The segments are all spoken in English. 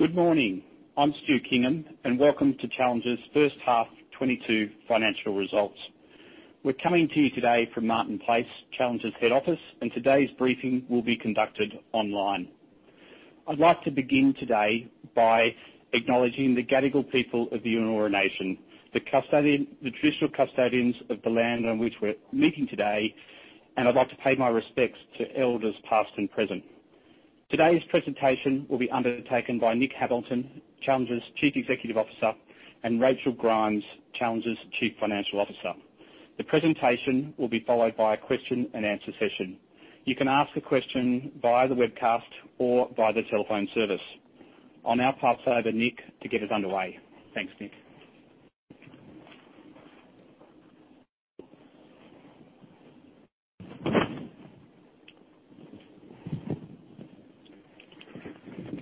Good morning. I'm Stuart Kingham and welcome to Challenger's first half 2022 financial results. We're coming to you today from Martin Place, Challenger's head office and today's briefing will be conducted online. I'd like to begin today by acknowledging the Gadigal people of the Eora Nation, the traditional custodians of the land on which we're meeting today and I'd like to pay my respects to elders past and present. Today's presentation will be undertaken by Nick Hamilton, Challenger's Chief Executive Officer and Rachel Grimes, Challenger's Chief Financial Officer. The presentation will be followed by a question-and-answer session. You can ask a question via the webcast or via the telephone service. I'll now pass over Nick to get us underway. Thanks, Nick.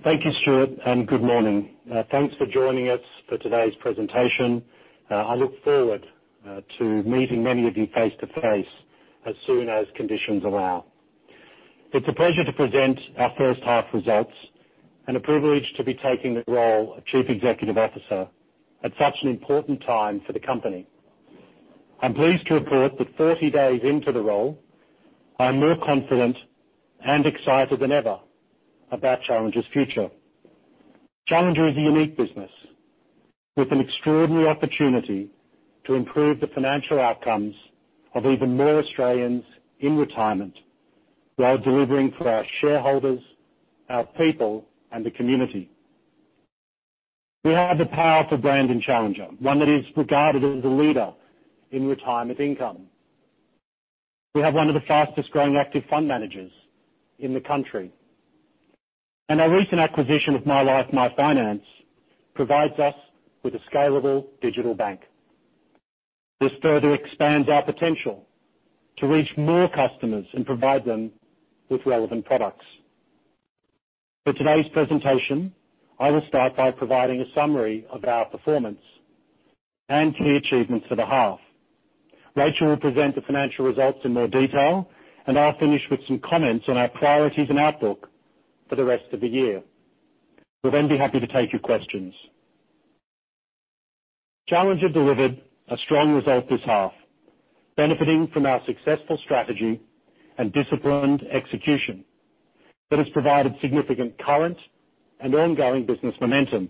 Thank you, Stuart and good morning. Thanks for joining us for today's presentation. I look forward to meeting many of you face-to-face as soon as conditions allow. It's a pleasure to present our first half results and a privilege to be taking the role of Chief Executive Officer at such an important time for the company. I'm pleased to report that 40 days into the role, I'm more confident and excited than ever about Challenger's future. Challenger is a unique business with an extraordinary opportunity to improve the financial outcomes of even more Australians in retirement while delivering for our shareholders, our people and the community. We have a powerful brand in Challenger, one that is regarded as a leader in retirement income. We have one of the fastest-growing active fund managers in the country. Our recent acquisition with MyLife MyFinance provides us with a scalable digital bank. This further expands our potential to reach more customers and provide them with relevant products. For today's presentation, I will start by providing a summary of our performance and key achievements for the half. Rachel will present the financial results in more detail and I'll finish with some comments on our priorities and outlook for the rest of the year. We'll then be happy to take your questions. Challenger delivered a strong result this half, benefiting from our successful strategy and disciplined execution that has provided significant current and ongoing business momentum.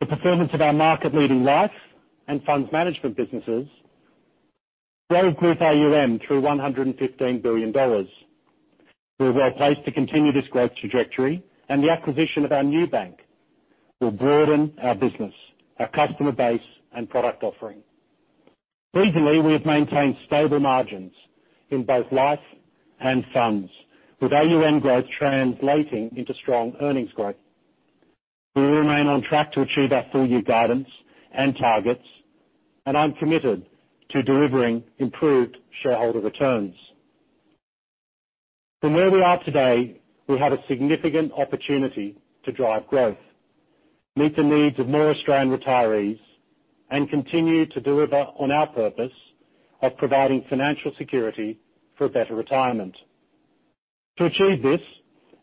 The performance of our market-leading life and funds management businesses drove group AUM through 115 billion dollars. We're well-placed to continue this growth trajectory and the acquisition of our new bank will broaden our business, our customer base and product offering. Regionally, we have maintained stable margins in both Life and Funds, with AUM growth translating into strong earnings growth. We remain on track to achieve our full-year guidance and targets and I'm committed to delivering improved shareholder returns. From where we are today, we have a significant opportunity to drive growth, meet the needs of more Australian retirees and continue to deliver on our purpose of providing financial security for a better retirement. To achieve this,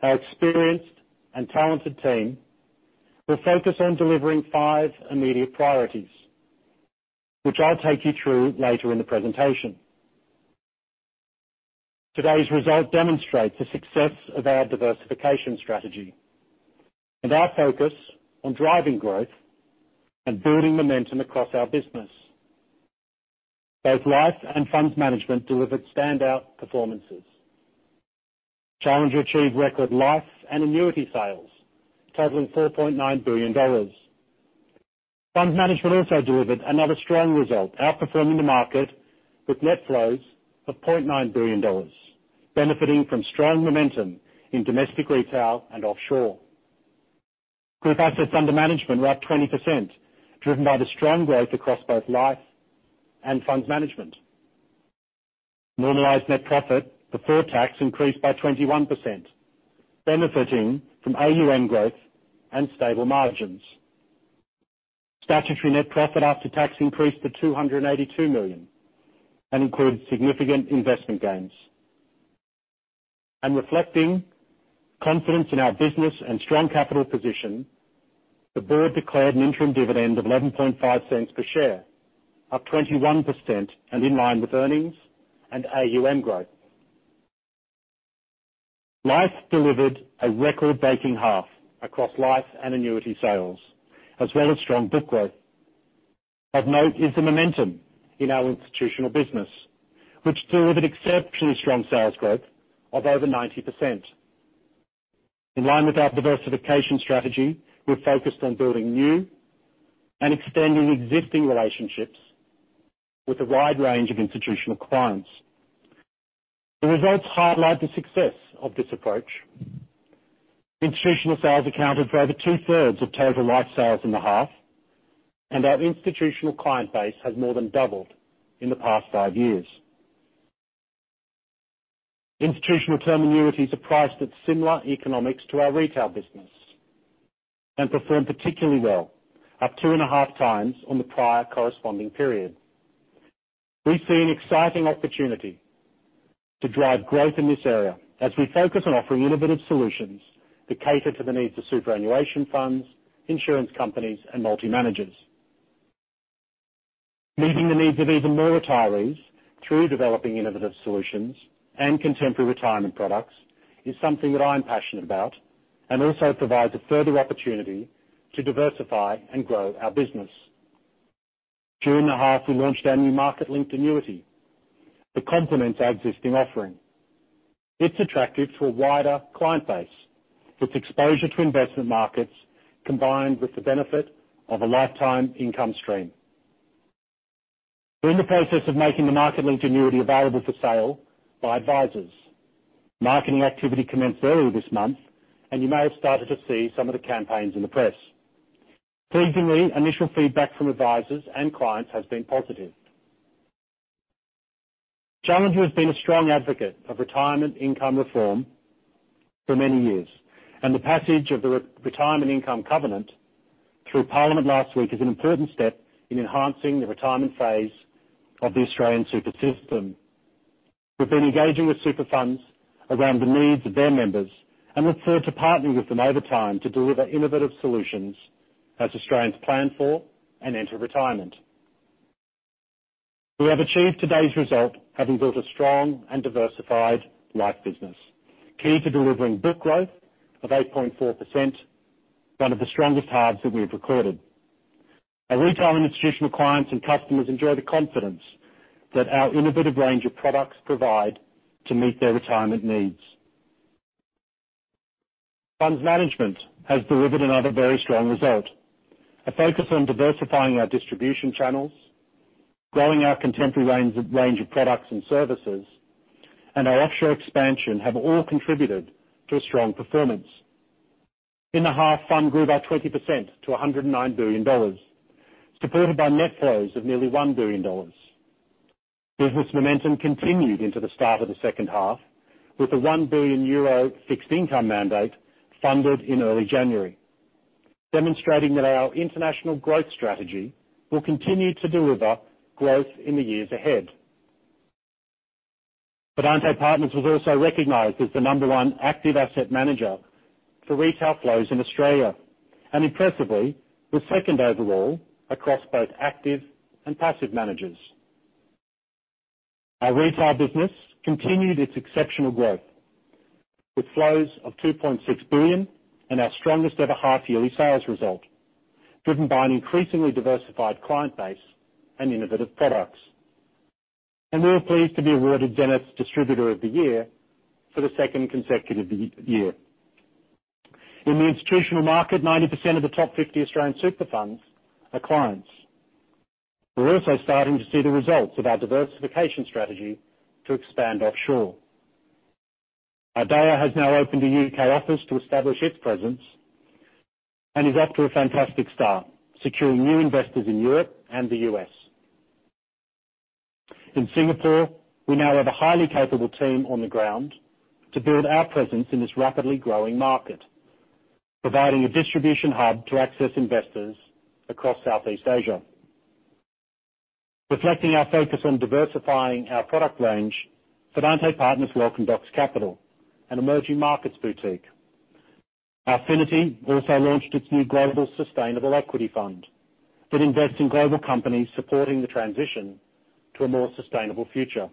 our experienced and talented team will focus on delivering five immediate priorities, which I'll take you through later in the presentation. Today's result demonstrates the success of our diversification strategy and our focus on driving growth and building momentum across our business. Both Life and Funds Management delivered standout performances. Challenger achieved record Life and annuity sales totaling 4.9 billion dollars. Funds management also delivered another strong result, outperforming the market with net flows of AUD 0.9 billion, benefiting from strong momentum in domestic, retail and offshore. Group assets under management were up 20%, driven by the strong growth across both life and funds management. Normalized net profit before tax increased by 21%, benefiting from AUM growth and stable margins. Statutory net profit after tax increased to AUD 282 million and includes significant investment gains. Reflecting confidence in our business and strong capital position, the board declared an interim dividend of 0.115 per share, up 21% and in line with earnings and AUM growth. Life delivered a record-breaking half across life and annuity sales, as well as strong book growth. Of note is the momentum in our institutional business, which delivered exceptionally strong sales growth of over 90%. In line with our diversification strategy, we're focused on building new and extending existing relationships with a wide range of institutional clients. The results highlight the success of this approach. Institutional sales accounted for over two-thirds of total life sales in the half and our institutional client base has more than doubled in the past five years. Institutional term annuities are priced at similar economics to our retail business and performed particularly well, up 2.5 times on the prior corresponding period. We see an exciting opportunity to drive growth in this area as we focus on offering innovative solutions that cater to the needs of superannuation funds, insurance companies and multi-managers. Meeting the needs of even more retirees through developing innovative solutions and contemporary retirement products is something that I'm passionate about and also provides a further opportunity to diversify and grow our business. During the half, we launched our new market-linked annuity that complements our existing offering. It's attractive to a wider client base, with exposure to investment markets combined with the benefit of a lifetime income stream. We're in the process of making the market-linked annuity available for sale by advisors. Marketing activity commenced earlier this month and you may have started to see some of the campaigns in the press. Pleasingly, initial feedback from advisors and clients has been positive. Challenger has been a strong advocate of retirement income reform for many years and the passage of the Retirement Income Covenant through Parliament last week is an important step in enhancing the retirement phase of the Australian super system. We've been engaging with super funds around the needs of their members and look forward to partnering with them over time to deliver innovative solutions as Australians plan for and enter retirement. We have achieved today's result having built a strong and diversified life business, key to delivering book growth of 8.4%, one of the strongest halves that we have recorded. Our retail and institutional clients and customers enjoy the confidence that our innovative range of products provide to meet their retirement needs. Funds Management has delivered another very strong result. A focus on diversifying our distribution channels, growing our contemporary range of products and services and our offshore expansion have all contributed to a strong performance. In the half, FUM grew by 20% to 109 billion dollars, supported by net flows of nearly 1 billion dollars. Business momentum continued into the start of the second half with a 1 billion euro fixed-income mandate funded in early January, demonstrating that our international growth strategy will continue to deliver growth in the years ahead. Fidante Partners was also recognized as the number one active asset manager for retail flows in Australia and impressively, was second overall across both active and passive managers. Our retail business continued its exceptional growth, with flows of 2.6 billion and our strongest ever half-yearly sales result, driven by an increasingly diversified client base and innovative products. We were pleased to be awarded Zenith Distributor of the Year for the second consecutive year. In the institutional market, 90% of the top 50 Australian super funds are clients. We're also starting to see the results of our diversification strategy to expand offshore. Ardea has now opened a U.K. office to establish its presence and is off to a fantastic start, securing new investors in Europe and the U.S. In Singapore, we now have a highly capable team on the ground to build our presence in this rapidly growing market, providing a distribution hub to access investors across Southeast Asia. Reflecting our focus on diversifying our product range, Fidante Partners welcomed Ox Capital, an emerging markets boutique. Alphinity also launched its new global sustainable equity fund that invests in global companies supporting the transition to a more sustainable future.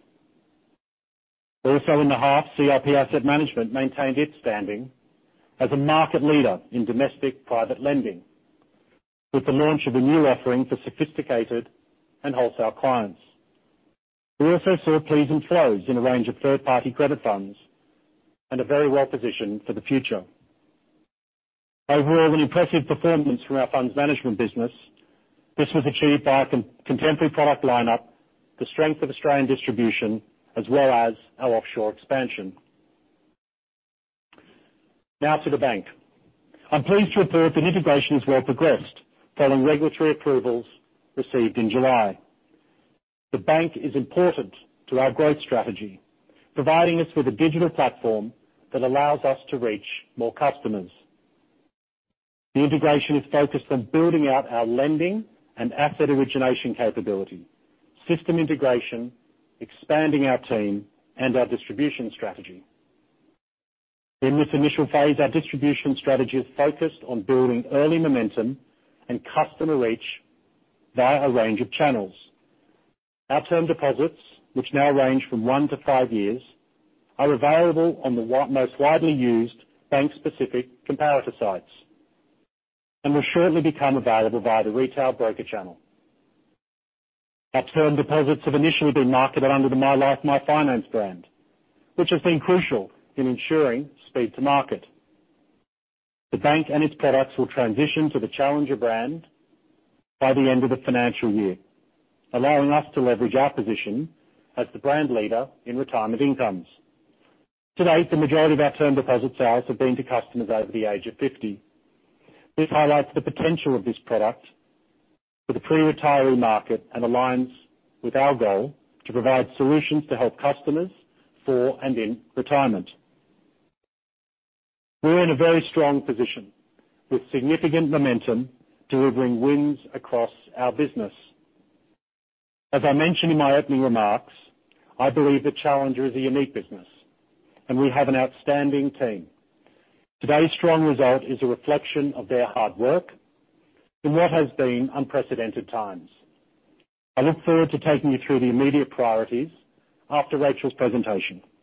Also in the half, CIP Asset Management maintained its standing as a market leader in domestic private lending with the launch of a new offering for sophisticated and wholesale clients. We also saw pleasing flows in a range of third-party credit funds and are very well positioned for the future. Overall, an impressive performance from our funds management business. This was achieved by a contemporary product line up, the strength of Australian distribution, as well as our offshore expansion. Now to the bank. I'm pleased to report that integration is well progressed following regulatory approvals received in July. The bank is important to our growth strategy, providing us with a digital platform that allows us to reach more customers. The integration is focused on building out our lending and asset origination capability, system integration, expanding our team and our distribution strategy. In this initial phase, our distribution strategy is focused on building early momentum and customer reach via a range of channels. Our term deposits, which now range from one to five years, are available on the most widely used bank-specific comparator sites and will shortly become available via the retail broker channel. Our term deposits have initially been marketed under the MyLife MyFinance brand, which has been crucial in ensuring speed to market. The bank and its products will transition to the Challenger brand by the end of the financial year, allowing us to leverage our position as the brand leader in retirement incomes. To date, the majority of our term deposit sales have been to customers over the age of 50. This highlights the potential of this product for the pre-retiree market and aligns with our goal to provide solutions to help customers for and in retirement. We're in a very strong position with significant momentum delivering wins across our business. As I mentioned in my opening remarks, I believe that Challenger is a unique business and we have an outstanding team. Today's strong result is a reflection of their hard work in what has been unprecedented times. I look forward to taking you through the immediate priorities after Rachel's presentation. Thank you,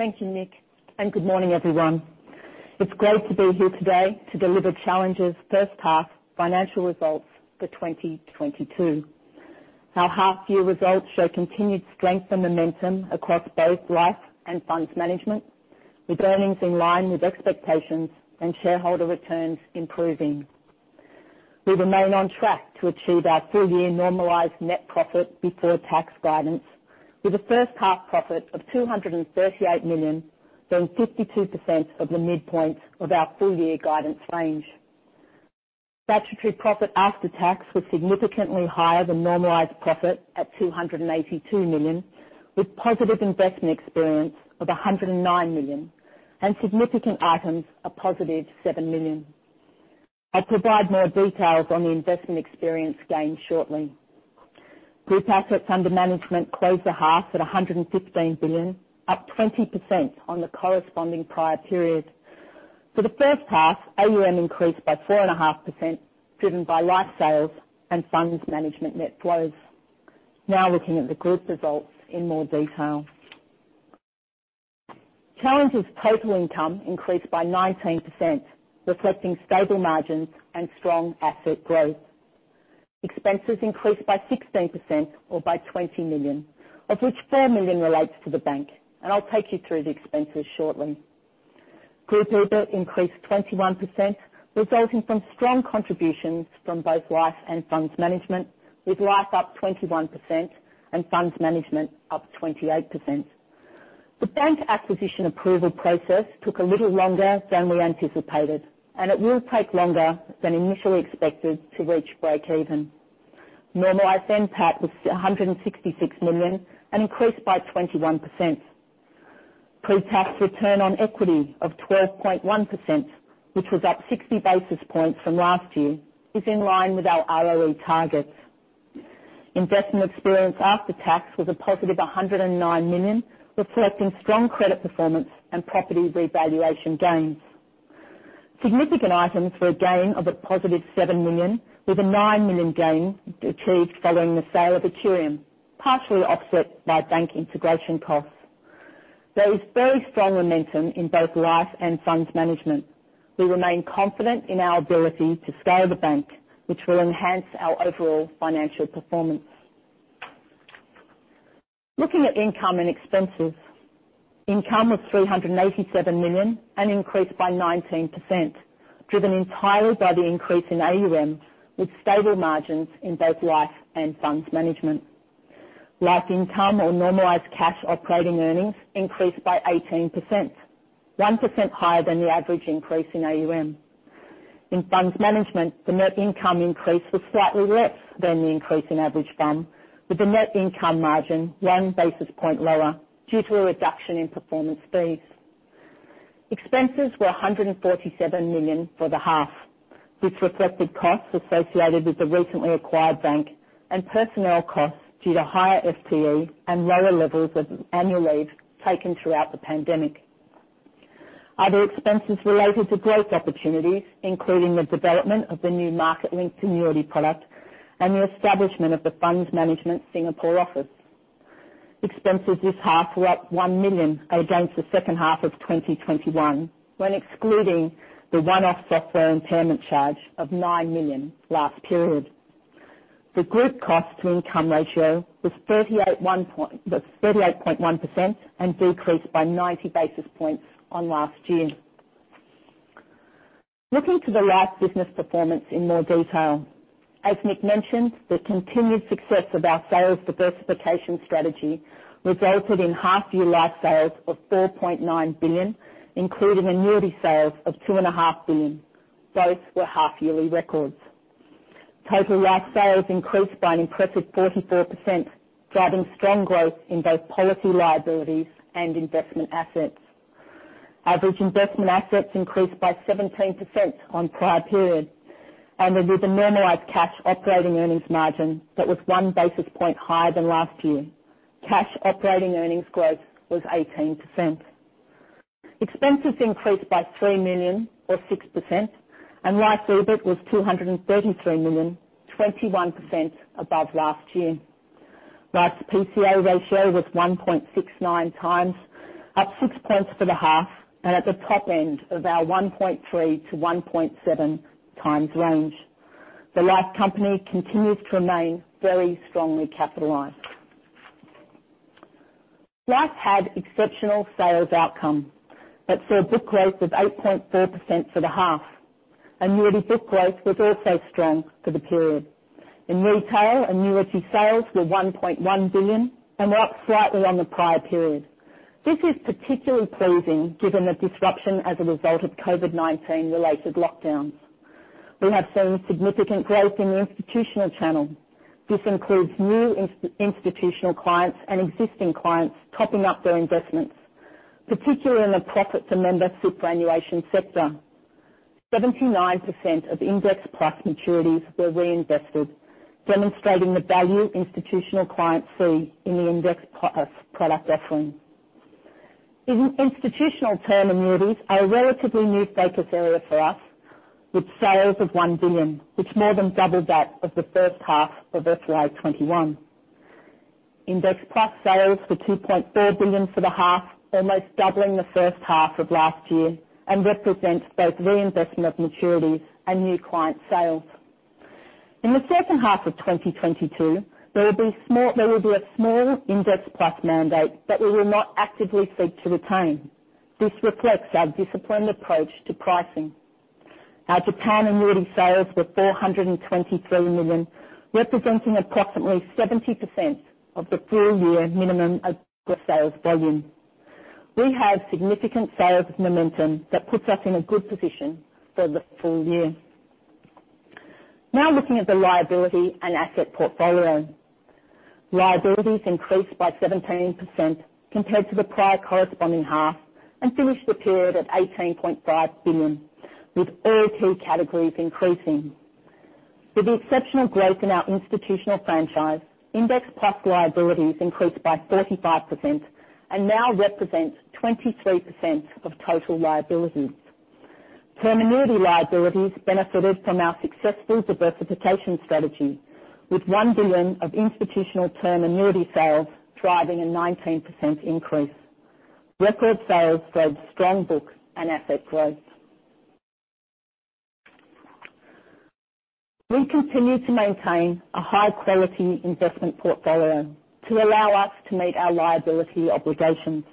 Nick and good morning, everyone. It's great to be here today to deliver Challenger's first half financial results for 2022. Our half year results show continued strength and momentum across both Life and Funds Management, with earnings in line with expectations and shareholder returns improving. We remain on track to achieve our full year normalized net profit before tax guidance, with a first half profit of 238 million, being 52% of the midpoint of our full year guidance range. Statutory profit after tax was significantly higher than normalized profit at AUD 282 million, with positive investment experience of AUD 109 million and significant items a positive AUD 7 million. I'll provide more details on the investment experience gained shortly. Group assets under management closed the half at 115 billion, up 20% on the corresponding prior period. For the first half, AUM increased by 4.5%, driven by life sales and funds management net flows. Now looking at the group results in more detail. Challenger's total income increased by 19%, reflecting stable margins and strong asset growth. Expenses increased by 16% or by 20 million, of which 4 million relates to the bank. I'll take you through the expenses shortly. Group EBIT increased 21%, resulting from strong contributions from both Life and Funds Management, with Life up 21% and Funds Management up 28%. The bank acquisition approval process took a little longer than we anticipated and it will take longer than initially expected to reach break even. Normalized NPAT was 166 million and increased by 21%. Pre-tax return on equity of 12.1%, which was up 60 basis points from last year, is in line with our ROE targets. Investment experience after tax was a positive 109 million, reflecting strong credit performance and property revaluation gains. Significant items were a gain of a positive 7 million, with a 9 million gain achieved following the sale of Accurium, partially offset by bank integration costs. There is very strong momentum in both Life and Funds Management. We remain confident in our ability to scale the bank, which will enhance our overall financial performance. Looking at income and expenses. Income was 387 million, an increase by 19%, driven entirely by the increase in AUM, with stable margins in both Life and Funds Management. Life income or normalized cash operating earnings increased by 18%, 1% higher than the average increase in AUM. In Funds Management, the net income increase was slightly less than the increase in average FUM, with the net income margin one basis point lower due to a reduction in performance fees. Expenses were 147 million for the half, which reflected costs associated with the recently acquired bank and personnel costs due to higher FTE and lower levels of annual leave taken throughout the pandemic. Other expenses related to growth opportunities, including the development of the new market-linked annuity product and the establishment of the Funds Management Singapore office. Expenses this half were up 1 million against the second half of 2021 when excluding the one-off software impairment charge of 9 million last period. The group cost to income ratio was 38.1%. 38.1% and decreased by 90 basis points on last year. Looking to the Life business performance in more detail. As Nick mentioned, the continued success of our sales diversification strategy resulted in half year Life sales of 4.9 billion, including annuity sales of 2.5 billion. Both were half yearly records. Total Life sales increased by an impressive 44%, driving strong growth in both policy liabilities and investment assets. Average investment assets increased by 17% on prior period and with a normalized cash operating earnings margin that was 1 basis point higher than last year. Cash operating earnings growth was 18%. Expenses increased by 3 million or 6% and Life EBIT was 233 million, 21% above last year. Life's PCA ratio was 1.69 times, up 6 points for the half and at the top end of our 1.3-1.7 times range. The Life company continues to remain very strongly capitalized. Life had exceptional sales outcome. It saw book growth of 8.4% for the half. Annuity book growth was also strong for the period. In retail, annuity sales were 1.1 billion and were up slightly on the prior period. This is particularly pleasing given the disruption as a result of COVID-19 related lockdowns. We have seen significant growth in the institutional channel. This includes new institutional clients and existing clients topping up their investments, particularly in the profit to member superannuation sector. 79% of Index Plus maturities were reinvested, demonstrating the value institutional clients see in the Index Plus product offering. In institutional term annuities, a relatively new focus area for us with sales of 1 billion, which more than doubled that of the first half of FY 2021. Index Plus sales for 2.4 billion for the half, almost doubling the first half of last year and represents both reinvestment of maturities and new client sales. In the second half of 2022, there will be a small Index Plus mandate that we will not actively seek to retain. This reflects our disciplined approach to pricing. Our Japan annuity sales were 423 million, representing approximately 70% of the full year minimum of the sales volume. We have significant sales momentum that puts us in a good position for the full year. Now looking at the liability and asset portfolio. Liabilities increased by 17% compared to the prior corresponding half and finished the period at 18.5 billion, with both categories increasing. With the exceptional growth in our institutional franchise, Index Plus liabilities increased by 45% and now represent 23% of total liabilities. Term annuity liabilities benefited from our successful diversification strategy, with 1 billion of institutional term annuity sales driving a 19% increase. Record sales drove strong books and asset growth. We continue to maintain a high quality investment portfolio to allow us to meet our liability obligations.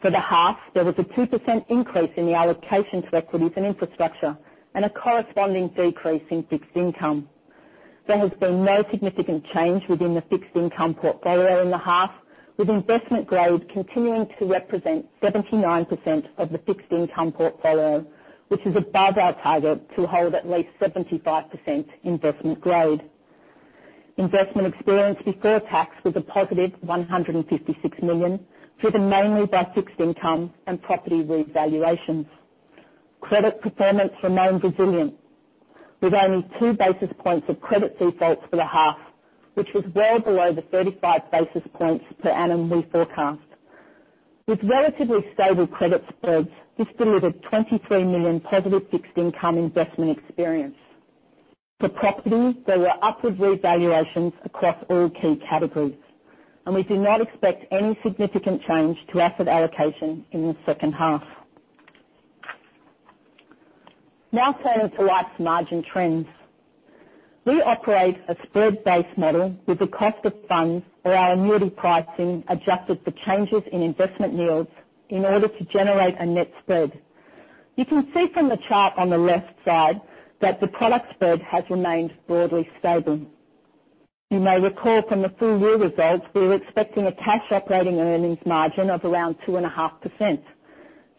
For the half, there was a 2% increase in the allocation to equities and infrastructure and a corresponding decrease in fixed income. There has been no significant change within the fixed income portfolio in the half, with investment grade continuing to represent 79% of the fixed income portfolio, which is above our target to hold at least 75% investment grade. Investment experience before tax was a positive 156 million, driven mainly by fixed income and property revaluations. Credit performance remained resilient, with only 2 basis points of credit defaults for the half, which was well below the 35 basis points per annum we forecast. With relatively stable credit spreads, this delivered 23 million positive fixed income investment experience. For property, there were upward revaluations across all key categories and we do not expect any significant change to asset allocation in the second half. Now turning to life's margin trends. We operate a spread-based model with the cost of funds or our annuity pricing adjusted for changes in investment yields in order to generate a net spread. You can see from the chart on the left side that the product spread has remained broadly stable. You may recall from the full year results, we were expecting a cash operating earnings margin of around 2.5%.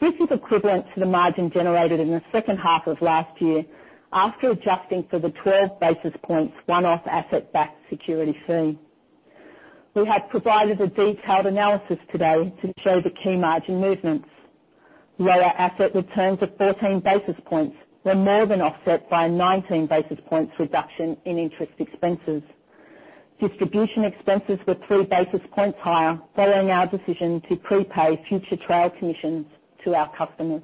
This is equivalent to the margin generated in the second half of last year after adjusting for the 12 basis points one-off asset-backed security fee. We have provided a detailed analysis today to show the key margin movements. Lower asset returns of 14 basis points were more than offset by a 19 basis points reduction in interest expenses. Distribution expenses were 3 basis points higher following our decision to prepay future trail commissions to our customers.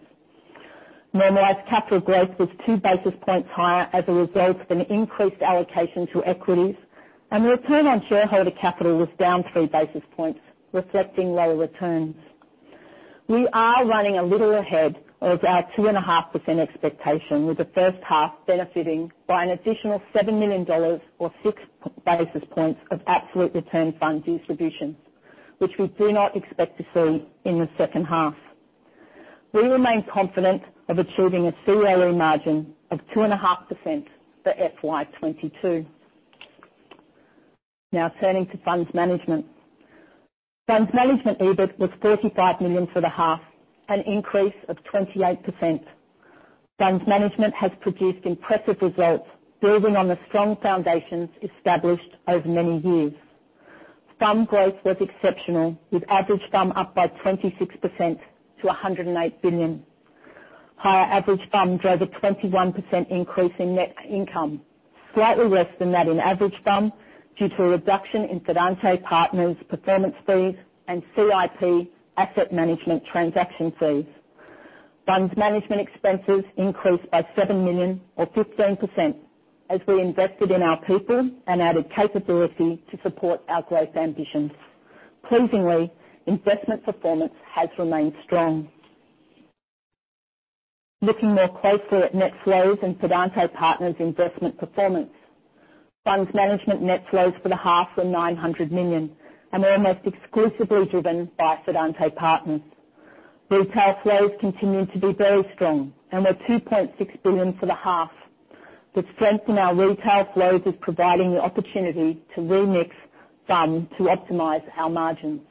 Normalized capital growth was 2 basis points higher as a result of an increased allocation to equities and the return on shareholder capital was down 3 basis points, reflecting lower returns. We are running a little ahead of our 2.5% expectation, with the first half benefiting by an additional 7 million dollars or 6 basis points of absolute return fund distributions, which we do not expect to see in the second half. We remain confident of achieving a COE margin of 2.5% for FY 2022. Now turning to Funds Management. Funds Management EBIT was 45 million for the half, an increase of 28%. Funds Management has produced impressive results building on the strong foundations established over many years. FUM growth was exceptional, with average FUM up by 26% to 108 billion. Higher average FUM drove a 21% increase in net income, slightly less than that in average FUM due to a reduction in Fidante Partners performance fees and CIP Asset Management transaction fees. Funds Management expenses increased by 7 million or 15% as we invested in our people and added capability to support our growth ambitions. Pleasingly, investment performance has remained strong. Looking more closely at net flows and Fidante Partners' investment performance. Funds Management net flows for the half were 900 million and almost exclusively driven by Fidante Partners. Retail flows continued to be very strong and were 2.6 billion for the half. The strength in our retail flows is providing the opportunity to remix funds to optimize our margins.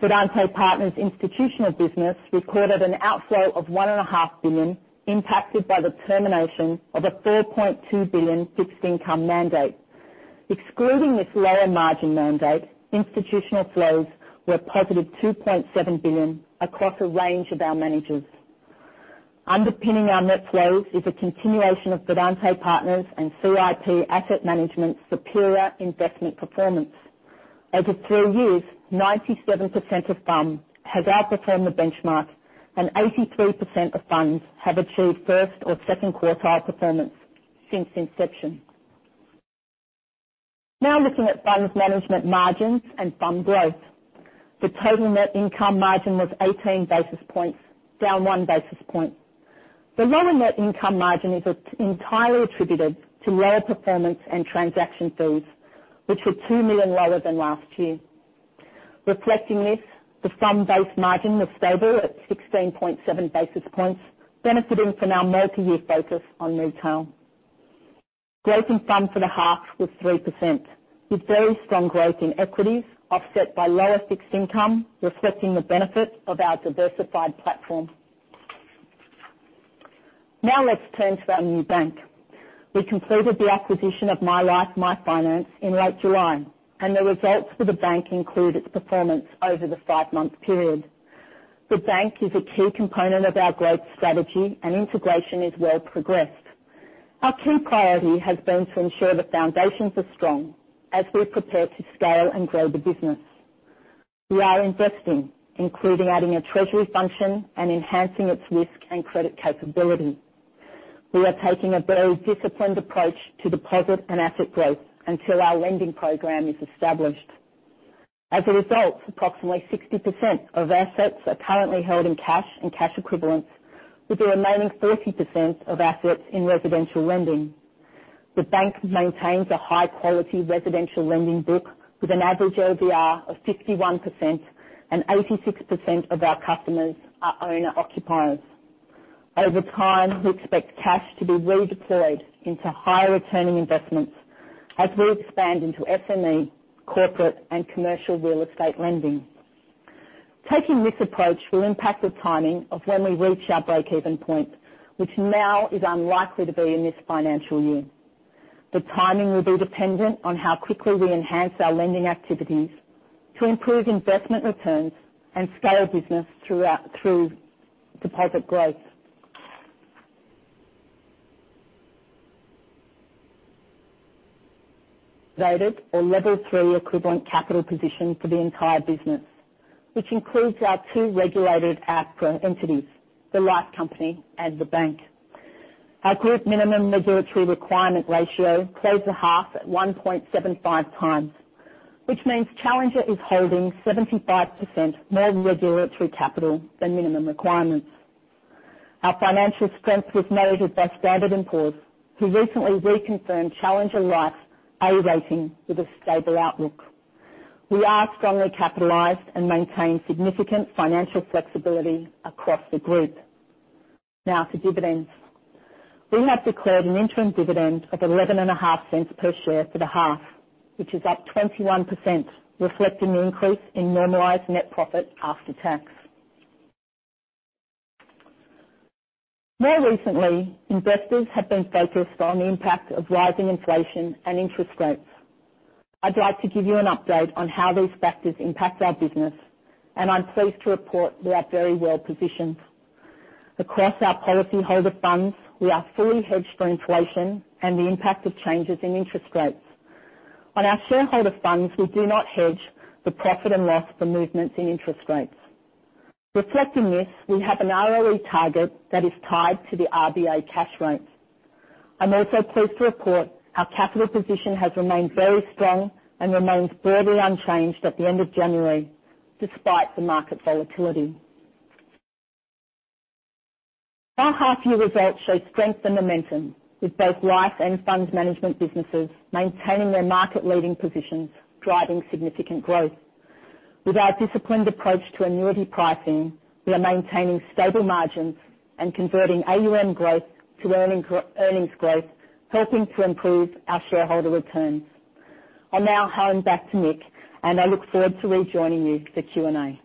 Fidante Partners institutional business recorded an outflow of 1.5 billion impacted by the termination of a 4.2 billion fixed income mandate. Excluding this lower margin mandate, institutional flows were positive 2.7 billion across a range of our managers. Underpinning our net flows is a continuation of Fidante Partners and CIP Asset Management's superior investment performance. Over 3 years, 97% of funds has outperformed the benchmark and 83% of funds have achieved first or second quartile performance since inception. Now looking at funds management margins and fund growth. The total net income margin was 18 basis points, down 1 basis point. The lower net income margin is entirely attributed to lower performance and transaction fees, which were 2 million lower than last year. Reflecting this, the fund base margin was stable at 16.7 basis points, benefiting from our multi-year focus on retail. Growth in funds for the half was 3%, with very strong growth in equities offset by lower fixed income, reflecting the benefit of our diversified platform. Now let's turn to our new bank. We completed the acquisition of MyLife MyFinance in late July and the results for the bank include its performance over the five-month period. The bank is a key component of our growth strategy and integration is well progressed. Our key priority has been to ensure the foundations are strong as we prepare to scale and grow the business. We are investing, including adding a treasury function and enhancing its risk and credit capability. We are taking a very disciplined approach to deposit and asset growth until our lending program is established. As a result, approximately 60% of assets are currently held in cash and cash equivalents, with the remaining 40% of assets in residential lending. The bank maintains a high-quality residential lending book with an average LVR of 51% and 86% of our customers are owner-occupiers. Over time, we expect cash to be redeployed into higher returning investments as we expand into SME, corporate and commercial real estate lending. Taking this approach will impact the timing of when we reach our breakeven point, which now is unlikely to be in this financial year. The timing will be dependent on how quickly we enhance our lending activities to improve investment returns and scale business through deposit growth. Noted a level 3 equivalent capital position for the entire business, which includes our two regulated APRA entities, the life company and the bank. Our group minimum regulatory requirement ratio closed the half at 1.75 times, which means Challenger is holding 75% more regulatory capital than minimum requirements. Our financial strength was noted by S&P Global Ratings, who recently reconfirmed Challenger Life A rating with a stable outlook. We are strongly capitalized and maintain significant financial flexibility across the group. Now for dividends. We have declared an interim dividend of 0.115 per share for the half, which is up 21%, reflecting the increase in normalized net profit after tax. More recently, investors have been focused on the impact of rising inflation and interest rates. I'd like to give you an update on how these factors impact our business and I'm pleased to report we are very well positioned. Across our policyholder funds, we are fully hedged for inflation and the impact of changes in interest rates. On our shareholder funds, we do not hedge the profit and loss for movements in interest rates. Reflecting this, we have an ROE target that is tied to the RBA cash rates. I'm also pleased to report our capital position has remained very strong and remains broadly unchanged at the end of January despite the market volatility. Our half year results show strength and momentum, with both life and funds management businesses maintaining their market-leading positions, driving significant growth. With our disciplined approach to annuity pricing, we are maintaining stable margins and converting AUM growth to earnings growth, helping to improve our shareholder returns. I'll now hand back to Nick and I look forward to rejoining you for Q&A.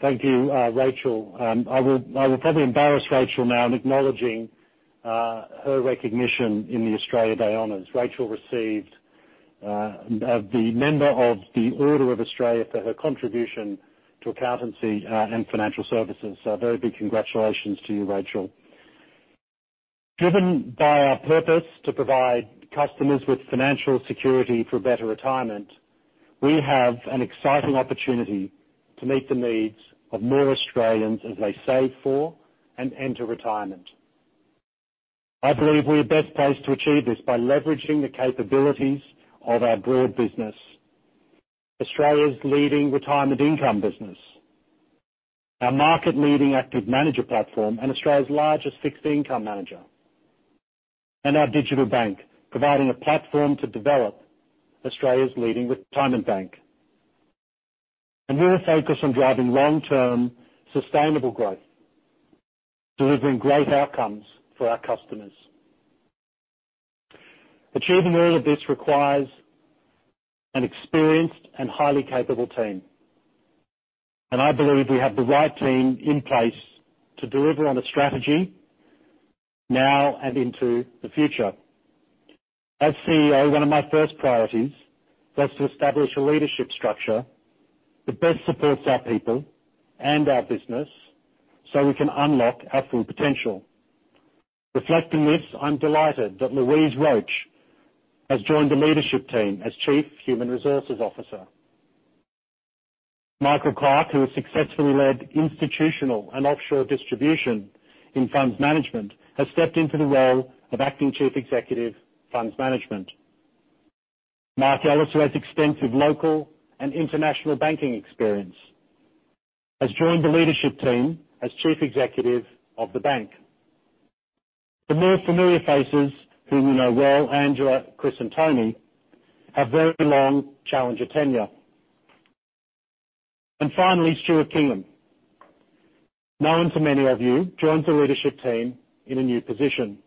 Thank you, Rachel. I will probably embarrass Rachel now in acknowledging her recognition in the Australia Day Honours. Rachel received the Member of the Order of Australia for her contribution to accountancy and financial services. Very big congratulations to you, Rachel. Driven by our purpose to provide customers with financial security for better retirement, we have an exciting opportunity to meet the needs of more Australians as they save for and enter retirement. I believe we are best placed to achieve this by leveraging the capabilities of our broad business. Australia's leading retirement income business. Our market-leading active manager platform and Australia's largest fixed income manager. Our digital bank, providing a platform to develop Australia's leading retirement bank. We are focused on driving long-term sustainable growth, delivering great outcomes for our customers. Achieving all of this requires an experienced and highly capable team. I believe we have the right team in place to deliver on the strategy now and into the future. As CEO, one of my first priorities was to establish a leadership structure that best supports our people and our business so we can unlock our full potential. Reflecting this, I'm delighted that Louise Roche has joined the leadership team as Chief Human Resources Officer. Michael Clarke, who has successfully led institutional and offshore distribution in Funds Management, has stepped into the role of Acting Chief Executive, Funds Management. Mark Ellis, who has extensive local and international banking experience, has joined the leadership team as Chief Executive of the Bank. The more familiar faces, who you know well, Angela, Chris and Tony, have very long Challenger tenure. Finally, Stuart Kingham. Known to many of you, joins the leadership team in a new position,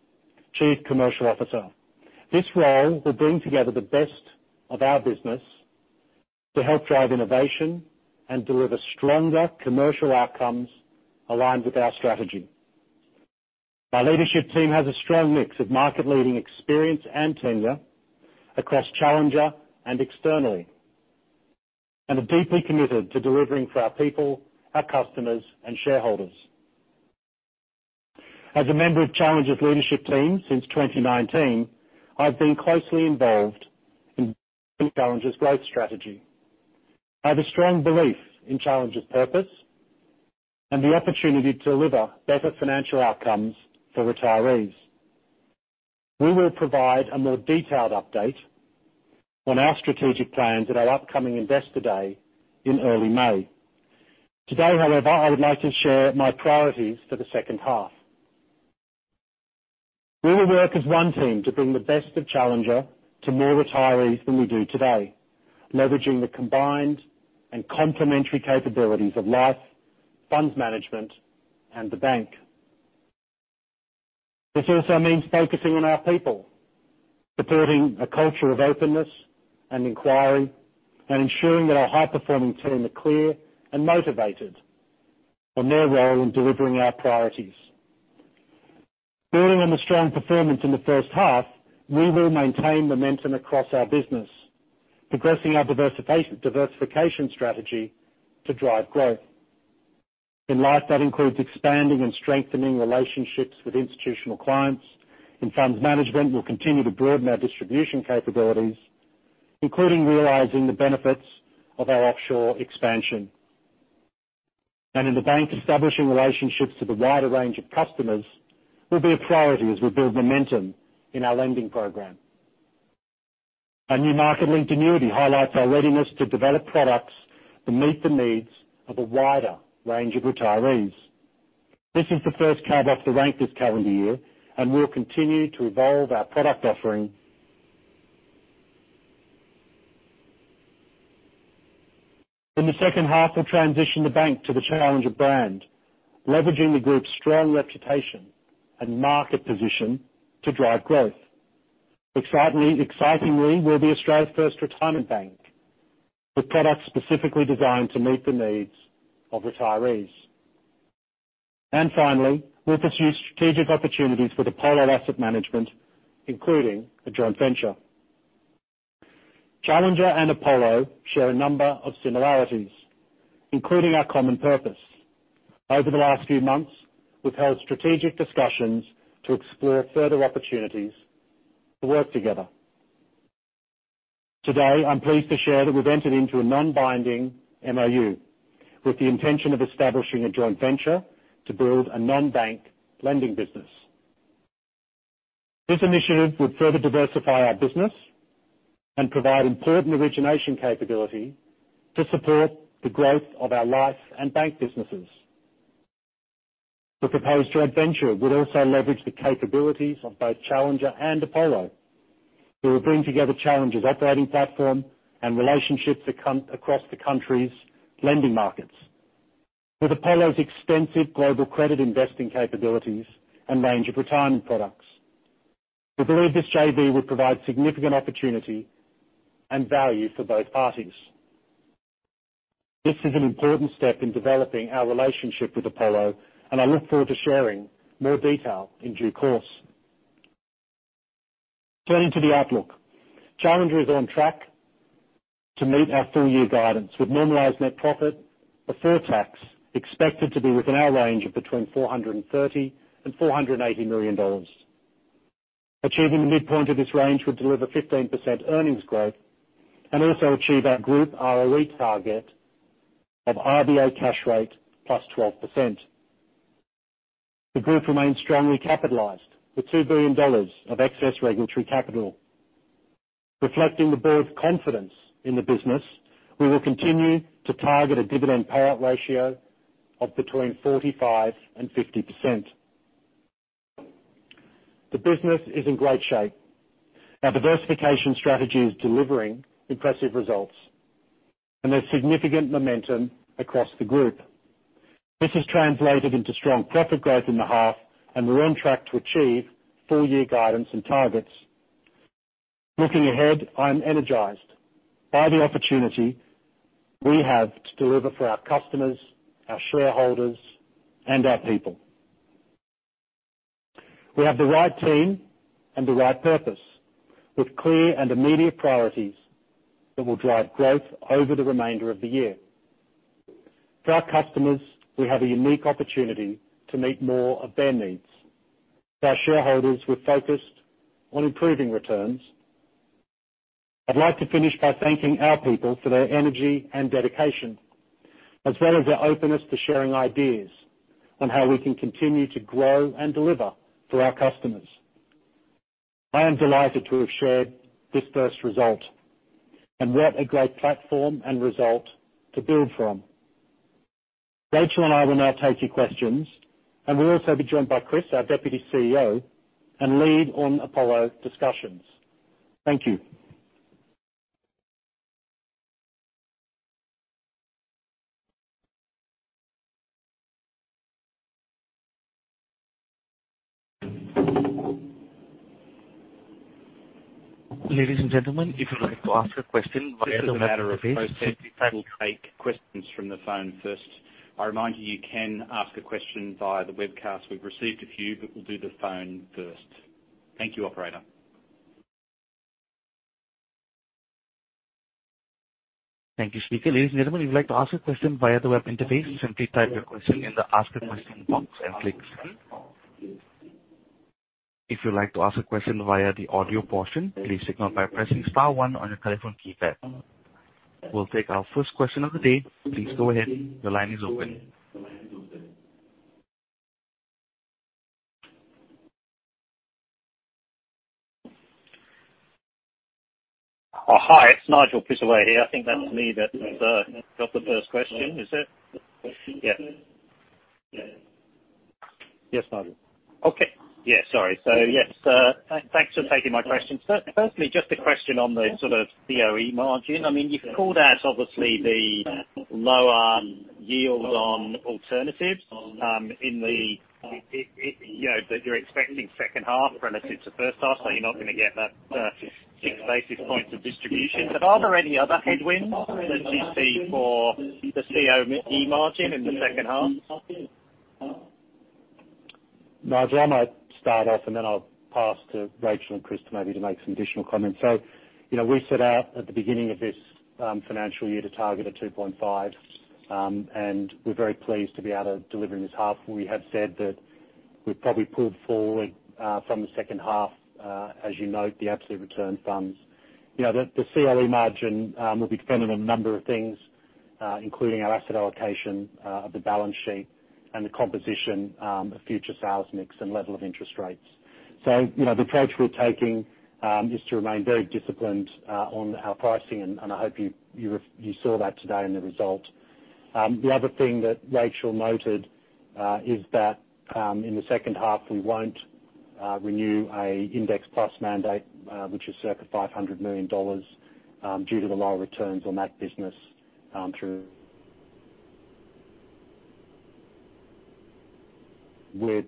Chief Commercial Officer. This role will bring together the best of our business to help drive innovation and deliver stronger commercial outcomes aligned with our strategy. Our leadership team has a strong mix of market-leading experience and tenure across Challenger and externally and are deeply committed to delivering for our people, our customers and shareholders. As a member of Challenger's leadership team since 2019, I've been closely involved in Challenger's growth strategy. I have a strong belief in Challenger's purpose and the opportunity to deliver better financial outcomes for retirees. We will provide a more detailed update on our strategic plans at our upcoming investor day in early May. Today, however, I would like to share my priorities for the second half. We will work as one team to bring the best of Challenger to more retirees than we do today, leveraging the combined and complementary capabilities of Life, Funds Management and the bank. This also means focusing on our people, supporting a culture of openness and inquiry and ensuring that our high-performing team are clear and motivated on their role in delivering our priorities. Building on the strong performance in the first half, we will maintain momentum across our business, progressing our diversification strategy to drive growth. In Life, that includes expanding and strengthening relationships with institutional clients. In Funds Management, we'll continue to broaden our distribution capabilities, including realizing the benefits of our offshore expansion. In the bank, establishing relationships with a wider range of customers will be a priority as we build momentum in our lending program. Our new market-linked annuity highlights our readiness to develop products that meet the needs of a wider range of retirees. This is the first cab off the rank this calendar year and we'll continue to evolve our product offering. In the second half, we'll transition the bank to the Challenger brand, leveraging the group's strong reputation and market position to drive growth. Excitingly, we'll be Australia's first retirement bank with products specifically designed to meet the needs of retirees. Finally, we'll pursue strategic opportunities with Apollo Asset Management, including a joint venture. Challenger and Apollo share a number of similarities, including our common purpose. Over the last few months, we've held strategic discussions to explore further opportunities to work together. Today, I'm pleased to share that we've entered into a non-binding MoU with the intention of establishing a joint venture to build a non-bank lending business. This initiative would further diversify our business and provide important origination capability to support the growth of our life and bank businesses. The proposed joint venture would also leverage the capabilities of both Challenger and Apollo, who will bring together Challenger's operating platform and relationships across the country's lending markets. With Apollo's extensive global credit investing capabilities and range of retirement products, we believe this JV would provide significant opportunity and value for both parties. This is an important step in developing our relationship with Apollo and I look forward to sharing more detail in due course. Turning to the outlook. Challenger is on track to meet our full-year guidance, with normalized net profit before tax expected to be within our range of between 430 million and 480 million dollars. Achieving the midpoint of this range would deliver 15% earnings growth and also achieve our group ROE target of RBA cash rate plus 12%. The group remains strongly capitalized with 2 billion dollars of excess regulatory capital. Reflecting the board's confidence in the business, we will continue to target a dividend payout ratio of between 45% and 50%. The business is in great shape. Our diversification strategy is delivering impressive results and there's significant momentum across the group. This has translated into strong profit growth in the half and we're on track to achieve full-year guidance and targets. Looking ahead, I am energized by the opportunity we have to deliver for our customers, our shareholders and our people. We have the right team and the right purpose, with clear and immediate priorities that will drive growth over the remainder of the year. For our customers, we have a unique opportunity to meet more of their needs. For our shareholders, we're focused on improving returns. I'd like to finish by thanking our people for their energy and dedication, as well as their openness to sharing ideas on how we can continue to grow and deliver for our customers. I am delighted to have shared this first result and what a great platform and result to build from. Rachel and I will now take your questions and we'll also be joined by Chris, our Deputy CEO and lead on Apollo discussions. Thank you. Ladies and gentlemen, if you'd like to ask a question. As a matter of process, we'll take questions from the phone first. I remind you can ask a question via the webcast. We've received a few but we'll do the phone first. Thank you, operator. Thank you, speaker. Ladies and gentlemen, if you'd like to ask a question via the web interface, simply type your question in the ask a question box and click send. If you'd like to ask a question via the audio portion, please signal by pressing star one on your telephone keypad. We'll take our first question of the day. Please go ahead. Your line is open. Oh, hi. It's Nigel Pittaway here. I think that's me that got the first question. Is that? Yes, Nigel. Thanks for taking my question. Firstly, just a question on the sort of COE margin. I mean, you've called out obviously the lower yield on alternatives in the second half relative to first half, so you're not gonna get that six basis points of distribution. But are there any other headwinds that you see for the COE margin in the second half? Nigel, I might start off and then I'll pass to Rachel and Chris to make some additional comments. You know, we set out at the beginning of this financial year to target a 2.5% and we're very pleased to be able to deliver in this half. We have said that we've probably pulled forward from the second half, as you note, the absolute return funds. You know, the COE margin will be dependent on a number of things, including our asset allocation of the balance sheet and the composition of future sales mix and level of interest rates. You know, the approach we're taking is to remain very disciplined on our pricing and I hope you saw that today in the result. The other thing that Rachel noted is that in the second half, we won't renew an Index Plus mandate, which is circa 500 million dollars, due to the lower returns on that business. We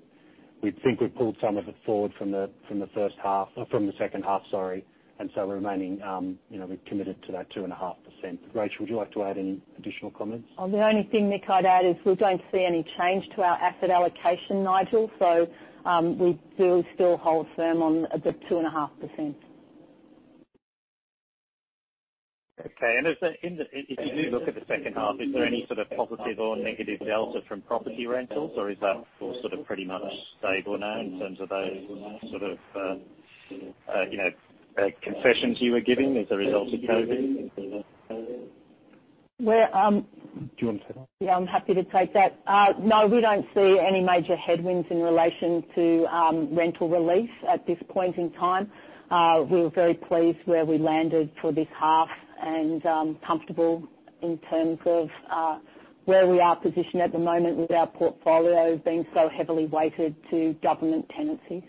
think we've pulled some of it forward from the second half, sorry and so remaining, you know, we're committed to that 2.5%. Rachel, would you like to add any additional comments? The only thing, Nick, I'd add is we don't see any change to our asset allocation, Nigel. We will still hold firm on the 2.5%. If you do look at the second half, is there any sort of positive or negative delta from property rentals? Or is that all sort of pretty much stable now in terms of those sort of, you know, concessions you were giving as a result of COVID? Do you wanna take that? Yeah, I'm happy to take that. No, we don't see any major headwinds in relation to rental relief at this point in time. We were very pleased where we landed for this half and comfortable in terms of where we are positioned at the moment with our portfolio being so heavily weighted to government tenancies.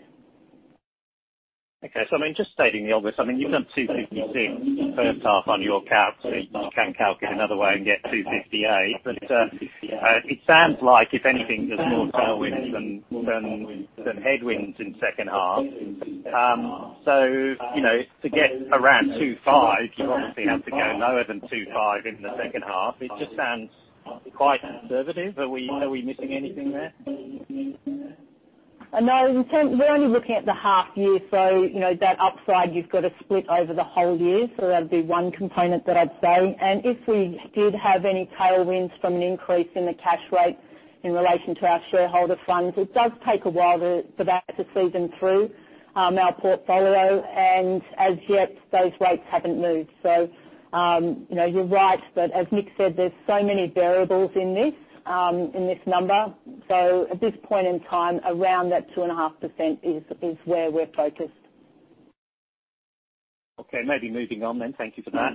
I mean, just stating the obvious, I mean, you've done 256 the first half on your calc, so you can calc it another way and get 258. It sounds like, if anything, there's more tailwinds than headwinds in second half. You know, to get around 250, you obviously have to go lower than 250 in the second half. It just sounds quite conservative. Are we missing anything there? No. We're only looking at the half year, so, you know, that upside, you've got to split over the whole year. That'd be one component that I'd say. If we did have any tailwinds from an increase in the cash rate. In relation to our shareholder funds, it does take a while for that to season through our portfolio and as yet, those rates haven't moved. You know, you're right but as Nick said, there's so many variables in this number. At this point in time, around that 2.5% is where we're focused. Okay, maybe moving on then. Thank you for that.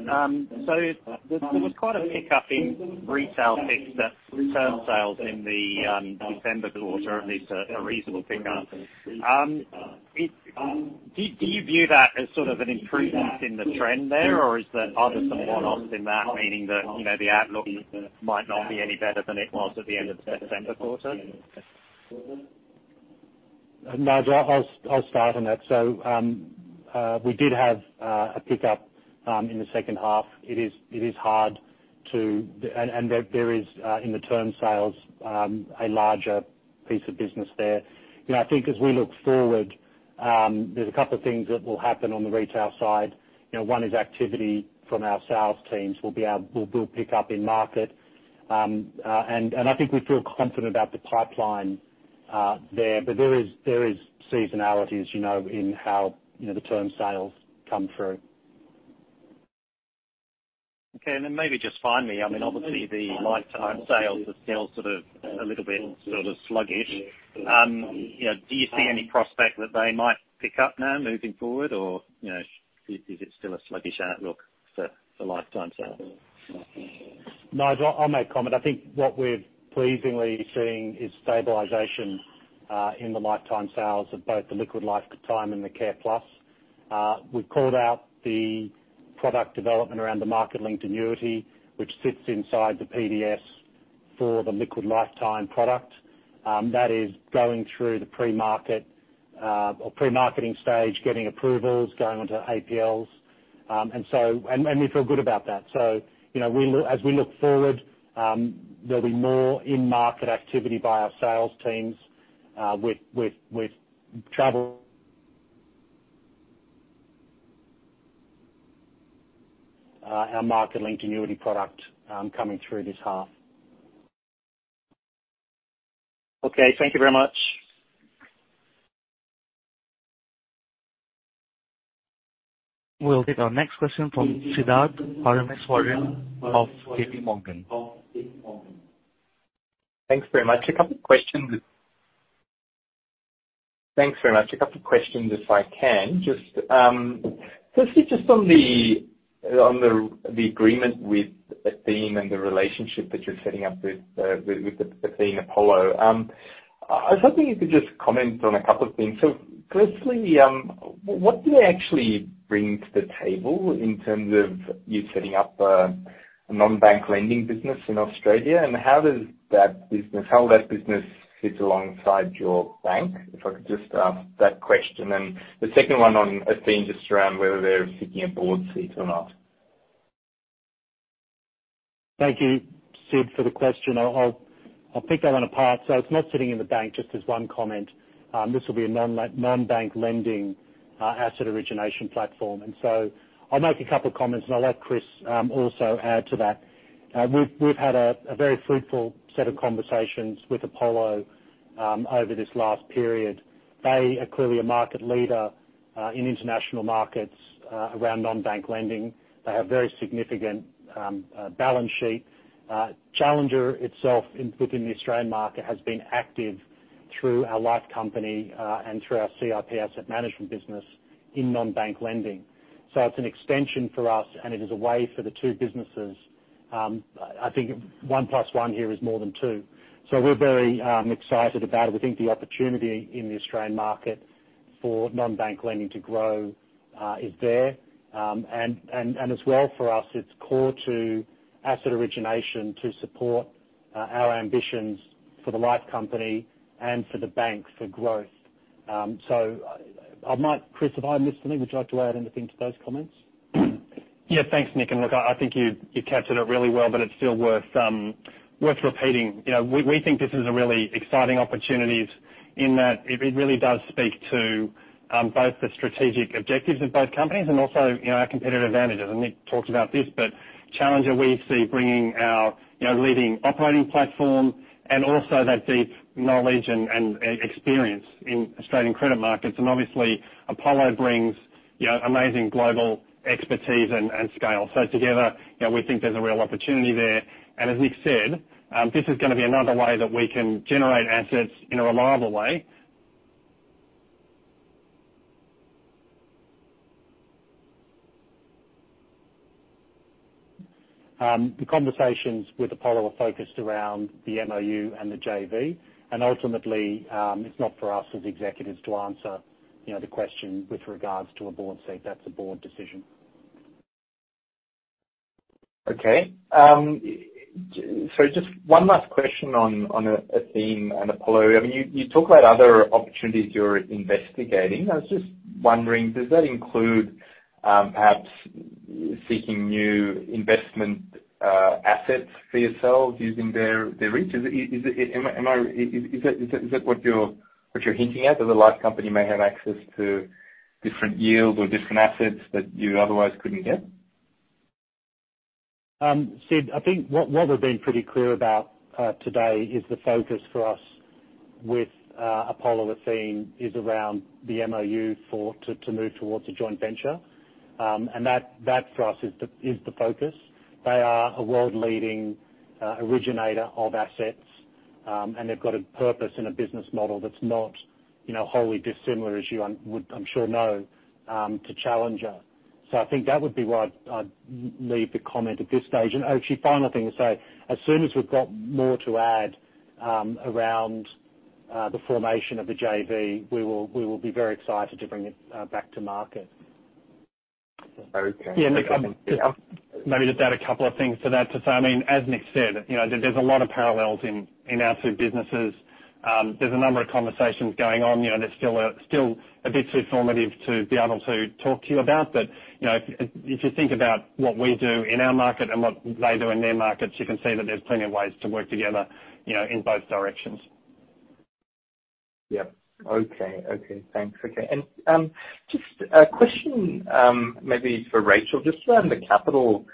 There was quite a pick-up in retail fixed term sales in the December quarter, at least a reasonable pick up. Do you view that as sort of an improvement in the trend there or are there some one-offs in that, meaning that, you know, the outlook might not be any better than it was at the end of the September quarter? Nigel, I'll start on that. We did have a pick-up in the second half. It is hard to. There is in the term sales a larger piece of business there. You know, I think as we look forward, there's a couple of things that will happen on the retail side. You know, one is activity from our sales teams. We'll pick up in market. I think we feel confident about the pipeline there. There is seasonality, as you know, in how, you know, the term sales come through. Okay, maybe just finally, I mean, obviously the lifetime sales are still sort of a little bit sort of sluggish. You know, do you see any prospect that they might pick up now moving forward? Or, you know, is it still a sluggish outlook for lifetime sales? Nigel, I'll make comment. I think what we're pleasingly seeing is stabilization in the lifetime sales of both the Liquid Lifetime and the CarePlus. We've called out the product development around the market-linked annuity, which sits inside the PDS for the Liquid Lifetime product, that is going through the pre-marketing stage, getting approvals, going on to APLs. We feel good about that. You know, as we look forward, there'll be more in-market activity by our sales teams, with travel, our market-linked annuity product coming through this half. Okay. Thank you very much. We'll take our next question from Siddharth Parameswaran of JPMorgan. Thanks very much. A couple of questions, if I can. Just firstly, just on the agreement with Athene and the relationship that you're setting up with Athene and Apollo, I was hoping you could just comment on a couple of things. Firstly, what do they actually bring to the table in terms of you setting up a non-bank lending business in Australia and how that business fits alongside your bank? If I could just ask that question. The second one on Athene, just around whether they're seeking a board seat or not. Thank you, Sid, for the question. I'll pick that one apart. It's not sitting in the bank, just as one comment. This will be a non-bank lending asset origination platform. I'll make a couple comments and I'll let Chris also add to that. We've had a very fruitful set of conversations with Apollo over this last period. They are clearly a market leader in international markets around non-bank lending. They have very significant balance sheet. Challenger itself within the Australian market has been active through our life company and through our CIP Asset Management business in non-bank lending. It's an extension for us and it is a way for the two businesses. I think one plus one here is more than two. We're very excited about it. We think the opportunity in the Australian market for non-bank lending to grow is there. As well for us, it's core to asset origination to support our ambitions for the life company and for the bank for growth. I might, Chris, have I missed anything? Would you like to add anything to those comments? Yeah. Thanks, Nick. Look, I think you captured it really well but it's still worth repeating. You know, we think this is a really exciting opportunities in that it really does speak to both the strategic objectives of both companies and also, you know, our competitive advantages. Nick talked about this but Challenger, we see bringing our, you know, leading operating platform and also that deep knowledge and experience in Australian credit markets. Obviously, Apollo brings, you know, amazing global expertise and scale. Together, you know, we think there's a real opportunity there. As Nick said, this is gonna be another way that we can generate assets in a reliable way. The conversations with Apollo are focused around the MOU and the JV. Ultimately, it's not for us as executives to answer, you know, the question with regards to a board seat. That's a board decision. Okay. Just one last question on Athene and Apollo. I mean, you talk about other opportunities you're investigating. I was just wondering, does that include perhaps seeking new investment assets for yourselves using their reach? Is that what you're hinting at? That the life company may have access to different yield or different assets that you otherwise couldn't get? Sid, I think what we've been pretty clear about today is the focus for us with Apollo is around the MOU to move towards a joint venture. That for us is the focus. They are a world-leading originator of assets. They've got a purpose and a business model that's not, you know, wholly dissimilar as you would, I'm sure, know to Challenger. I think that would be where I'd leave the comment at this stage. Actually, final thing is, as soon as we've got more to add around the formation of the JV, we will be very excited to bring it back to market. Okay. Yeah, Nick, I'll just maybe just add a couple of things to that. To say, I mean, as Nick said, you know, there's a lot of parallels in our two businesses. There's a number of conversations going on. You know, they're still a bit too formative to be able to talk to you about. You know, if you think about what we do in our market and what they do in their markets, you can see that there's plenty of ways to work together, you know, in both directions. Yeah. Okay. Thanks. Okay. Just a question, maybe for Rachel, just around the capital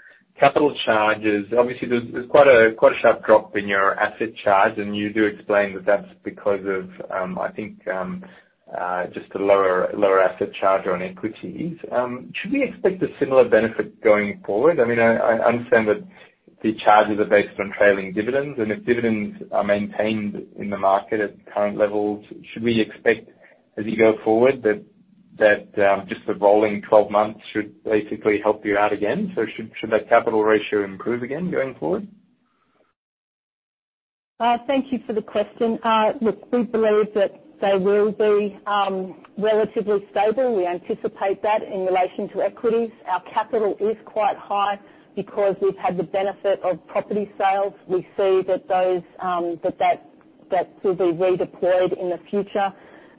charges. Obviously, there's quite a sharp drop in your asset charge and you do explain that that's because of, I think, just a lower asset charge on equities. Should we expect a similar benefit going forward? I mean, I understand that the charges are based on trailing dividends and if dividends are maintained in the market at current levels, should we expect as you go forward that just the rolling twelve months should basically help you out again? Should that capital ratio improve again going forward? Thank you for the question. Look, we believe that they will be relatively stable. We anticipate that in relation to equities. Our capital is quite high because we've had the benefit of property sales. We see that those that will be redeployed in the future.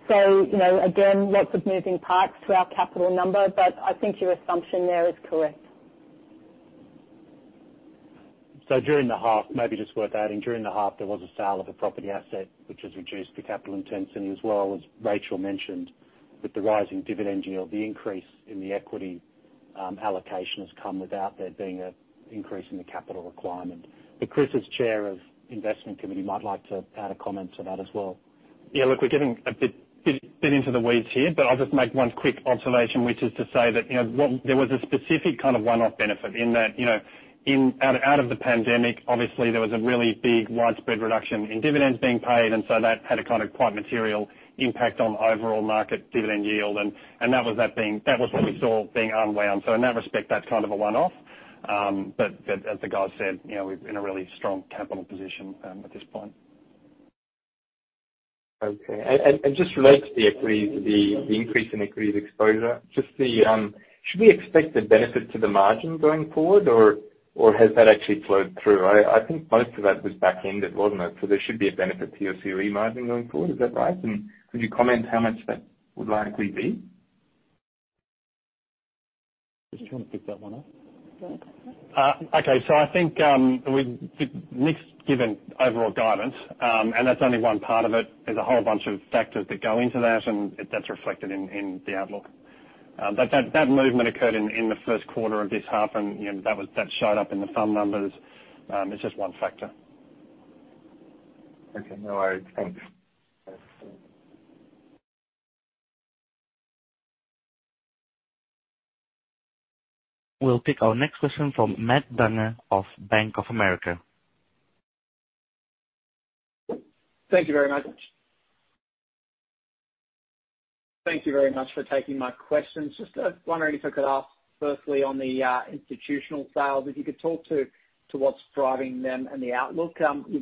You know, again, lots of moving parts to our capital number but I think your assumption there is correct. During the half, maybe just worth adding, there was a sale of a property asset which has reduced the capital intensity as well, as Rachel mentioned, with the rising dividend yield, the increase in the equity allocation has come without there being an increase in the capital requirement. Chris, as Chair of the Investment Committee, might like to add a comment to that as well. Yeah, look, we're getting a bit into the weeds here but I'll just make one quick observation, which is to say that, you know, there was a specific kind of one-off benefit in that, you know, out of the pandemic, obviously, there was a really big widespread reduction in dividends being paid and so that had a kind of quite material impact on the overall market dividend yield. That was what we saw being unwound. In that respect, that's kind of a one-off. As the guys said, you know, we're in a really strong capital position at this point. Okay. Just related to the equities, the increase in equities exposure, should we expect a benefit to the margin going forward or has that actually flowed through? I think most of that was back-ended, wasn't it? There should be a benefit to your COE margin going forward. Is that right? Could you comment how much that would likely be? Chris, do you want to pick that one up? Okay. I think we've Nick's given overall guidance and that's only one part of it. There's a whole bunch of factors that go into that and that's reflected in the outlook. That movement occurred in the first quarter of this half and you know that showed up in some numbers. It's just one factor. Okay. No worries. Thanks. We'll pick our next question from Matt Dunger of Bank of America. Thank you very much. Thank you very much for taking my questions. Just wondering if I could ask firstly on the institutional sales, if you could talk to what's driving them and the outlook. And if you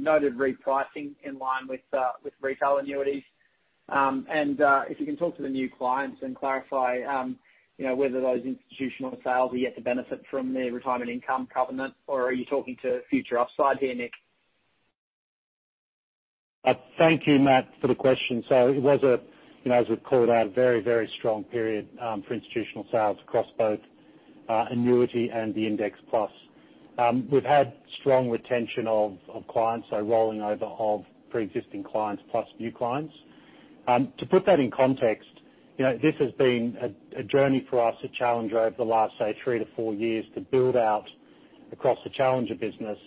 can talk to the new clients and clarify you know whether those institutional sales are yet to benefit from the Retirement Income Covenant or are you talking to future upside here, Nick? Thank you, Matt, for the question. It was, you know, as we've called out, a very, very strong period for institutional sales across both annuity and the Index Plus. We've had strong retention of clients, so rolling over of pre-existing clients plus new clients. To put that in context, you know, this has been a journey for us at Challenger over the last, say, three-four years, to build out across the Challenger business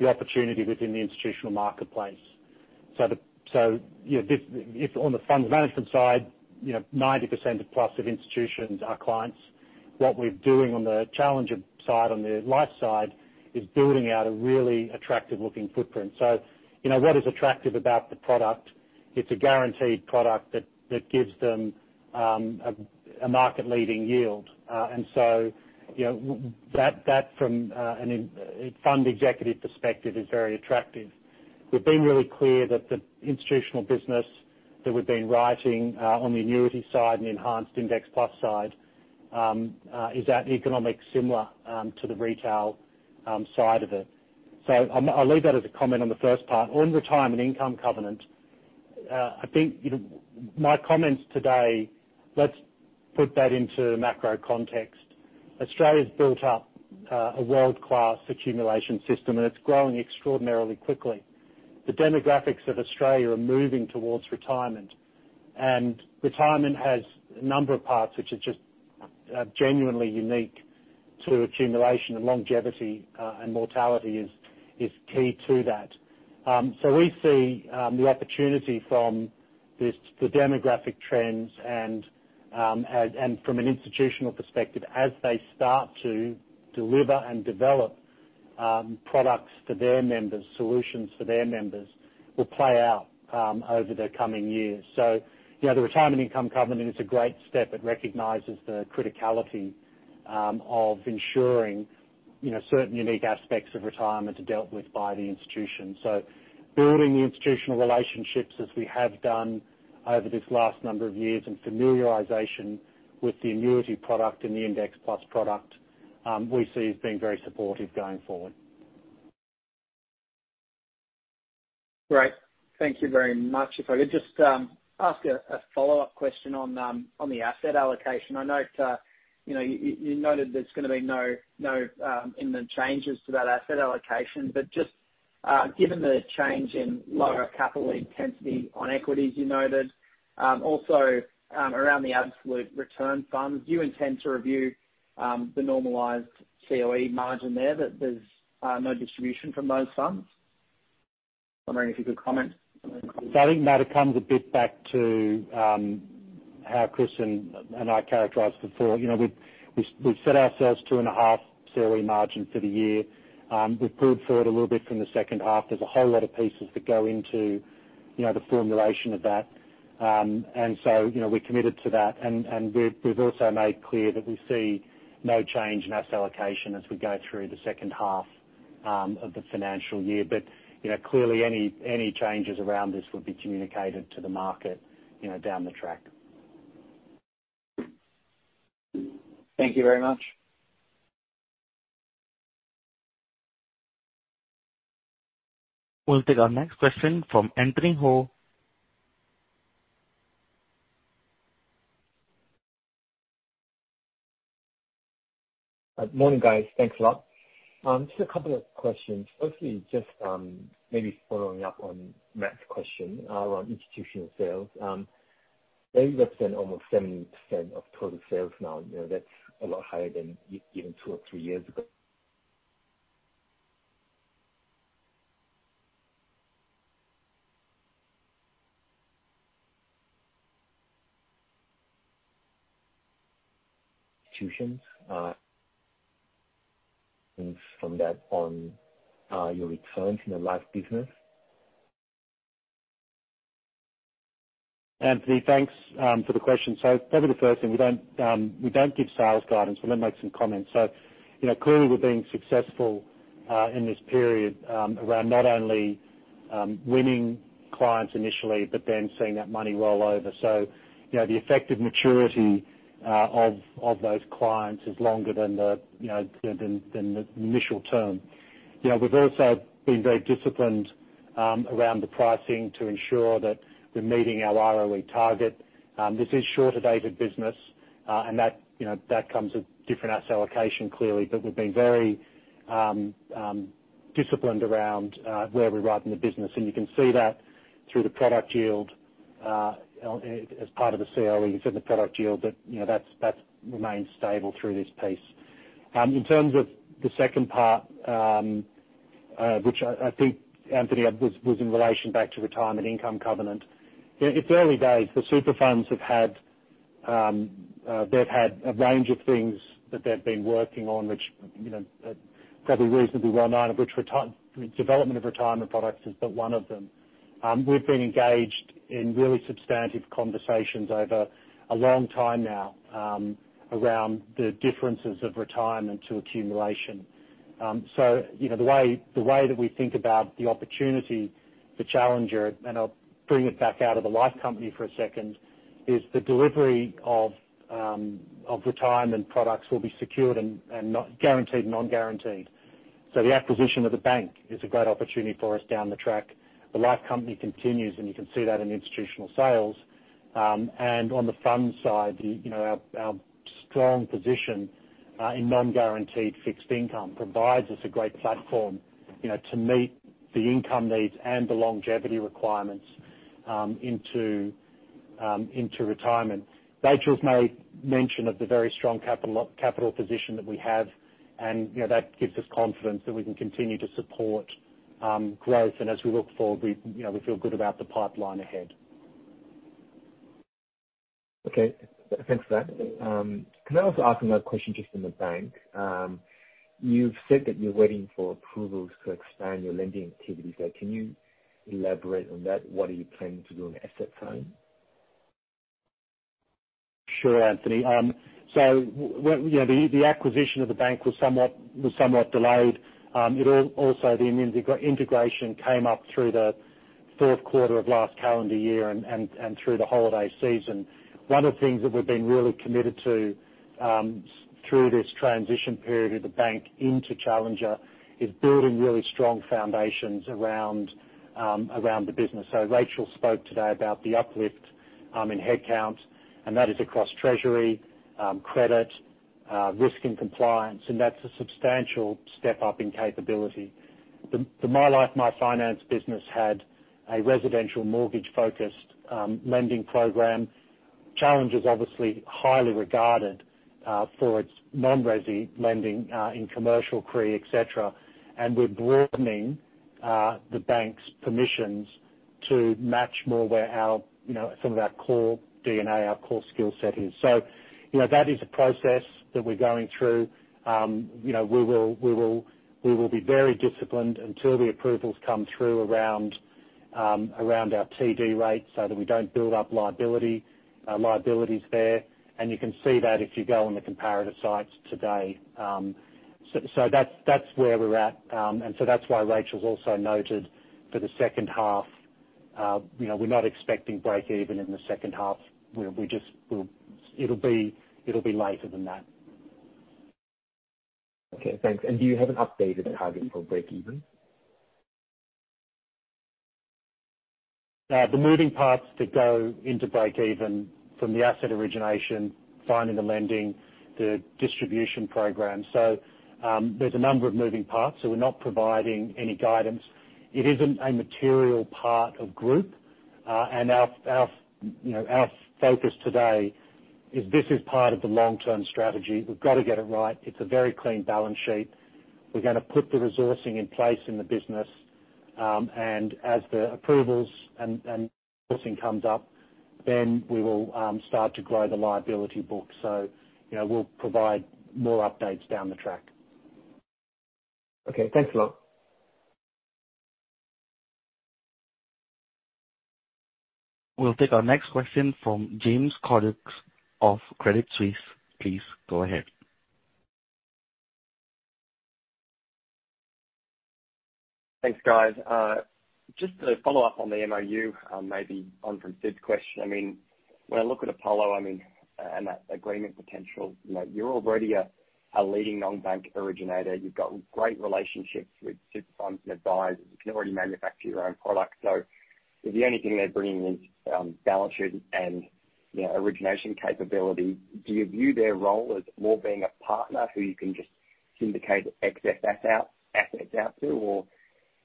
the opportunity within the institutional marketplace. You know, this, if on the fund management side, you know, 90%+ of institutions are clients, what we're doing on the Challenger side, on the life side, is building out a really attractive looking footprint. You know, what is attractive about the product? It's a guaranteed product that gives them a market-leading yield. That from a fund executive perspective is very attractive. We've been really clear that the institutional business that we've been writing on the annuity side and enhanced Index Plus side is at economics similar to the retail side of it. I'll leave that as a comment on the first part. On Retirement Income Covenant, I think my comments today, let's put that into macro context. Australia's built up a world-class accumulation system and it's growing extraordinarily quickly. The demographics of Australia are moving towards retirement. Retirement has a number of parts which are just genuinely unique to accumulation and longevity and mortality is key to that. We see the opportunity from this, the demographic trends and from an institutional perspective as they start to deliver and develop products for their members, solutions for their members will play out over the coming years. The other Retirement Income Covenant is a great step. It recognizes the criticality of ensuring, you know, certain unique aspects of retirement are dealt with by the institution. Building the institutional relationships as we have done over this last number of years and familiarization with the annuity product and the Index Plus product, we see as being very supportive going forward. Great. Thank you very much. If I could just ask a follow-up question on the asset allocation. I note, you know, you noted there's gonna be no imminent changes to that asset allocation but just given the change in lower capital intensity on equities you noted, also around the absolute return funds, do you intend to review the normalized COE margin there that there's no distribution from those funds? I'm wondering if you could comment. I think, Matt, it comes a bit back to how Chris and I characterized before. You know, we've set ourselves 2.5% COE margin for the year. We've pulled forward a little bit from the second half. There's a whole lot of pieces that go into, you know, the formulation of that. You know, we're committed to that. We've also made clear that we see no change in asset allocation as we go through the second half of the financial year. You know, clearly any changes around this would be communicated to the market, you know, down the track. Thank you very much. We'll take our next question from Anthony Hoo. Morning, guys. Thanks a lot. Just a couple of questions. Firstly, just maybe following up on Matt's question around institutional sales. They represent almost 70% of total sales now. You know, that's a lot higher than even two or three years ago. Institutions, from that on, your experience in the life business. Anthony, thanks for the question. Probably the first thing, we don't give sales guidance. We might make some comments. You know, clearly we're being successful in this period around not only winning clients initially but then seeing that money roll over. You know, the effective maturity of those clients is longer than the initial term. You know, we've also been very disciplined around the pricing to ensure that we're meeting our ROE target. This is shorter dated business and that you know comes with different asset allocation, clearly. We've been very disciplined around where we write in the business. You can see that through the product yield as part of the COE. It's in the product yield but, you know, that's remained stable through this piece. In terms of the second part, which I think Anthony was in relation back to Retirement Income Covenant, it's early days. The super funds have had a range of things that they've been working on which, you know, probably reasonably well known, of which development of retirement products is but one of them. We've been engaged in really substantive conversations over a long time now, around the differences of retirement to accumulation. You know, the way that we think about the opportunity for Challenger and I'll bring it back out of the life company for a second, is the delivery of retirement products will be secured and not guaranteed, non-guaranteed. The acquisition of the bank is a great opportunity for us down the track. The life company continues and you can see that in institutional sales. On the funds side, you know, our strong position in non-guaranteed fixed income provides us a great platform, you know, to meet the income needs and the longevity requirements into retirement. Rachel's made mention of the very strong capital position that we have and you know that gives us confidence that we can continue to support growth. As we look forward, you know, we feel good about the pipeline ahead. Okay. Thanks for that. Can I also ask another question just in the bank? You've said that you're waiting for approvals to expand your lending activities there. Can you elaborate on that? What are you planning to do on asset side? Sure, Anthony. Yeah, the acquisition of the bank was somewhat delayed. Also, the integration came up through the fourth quarter of last calendar year and through the holiday season. One of the things that we've been really committed to through this transition period of the bank into Challenger is building really strong foundations around the business. Rachel spoke today about the uplift in headcount and that is across treasury, credit, risk and compliance and that's a substantial step up in capability. The MyLife MyFinance business had a residential mortgage focused lending program. Challenger is obviously highly regarded for its non-resi lending in commercial credit, et cetera. We're broadening the bank's permissions to match more where our, you know, some of our core DNA, our core skill set is. That is a process that we're going through. You know, we will be very disciplined until the approvals come through around our TD rates so that we don't build up liabilities there. You can see that if you go on the comparative sites today. That's where we're at. That's why Rachel's also noted for the second half, you know, we're not expecting breakeven in the second half. It'll be later than that. Okay, thanks. Do you have an updated target for breakeven? The moving parts to go into breakeven from the asset origination, finding the lending, the distribution program. There's a number of moving parts, so we're not providing any guidance. It isn't a material part of Group. And our, you know, our focus today is this is part of the long-term strategy. We've gotta get it right. It's a very clean balance sheet. We're gonna put the resourcing in place in the business. And as the approvals and resourcing comes up, then we will start to grow the liability book. You know, we'll provide more updates down the track. Okay, thanks a lot. We'll take our next question from James Cordukes of Credit Suisse. Please go ahead. Thanks, guys. Just to follow up on the MoU, maybe on from Sid's question. I mean, when I look at Apollo, I mean and that agreement potential, you know, you're already a leading non-bank originator. You've got great relationships with super funds and advisors. You can already manufacture your own products. So if the only thing they're bringing is balance sheet and, you know, origination capability, do you view their role as more being a partner who you can just syndicate the assets out to? Or,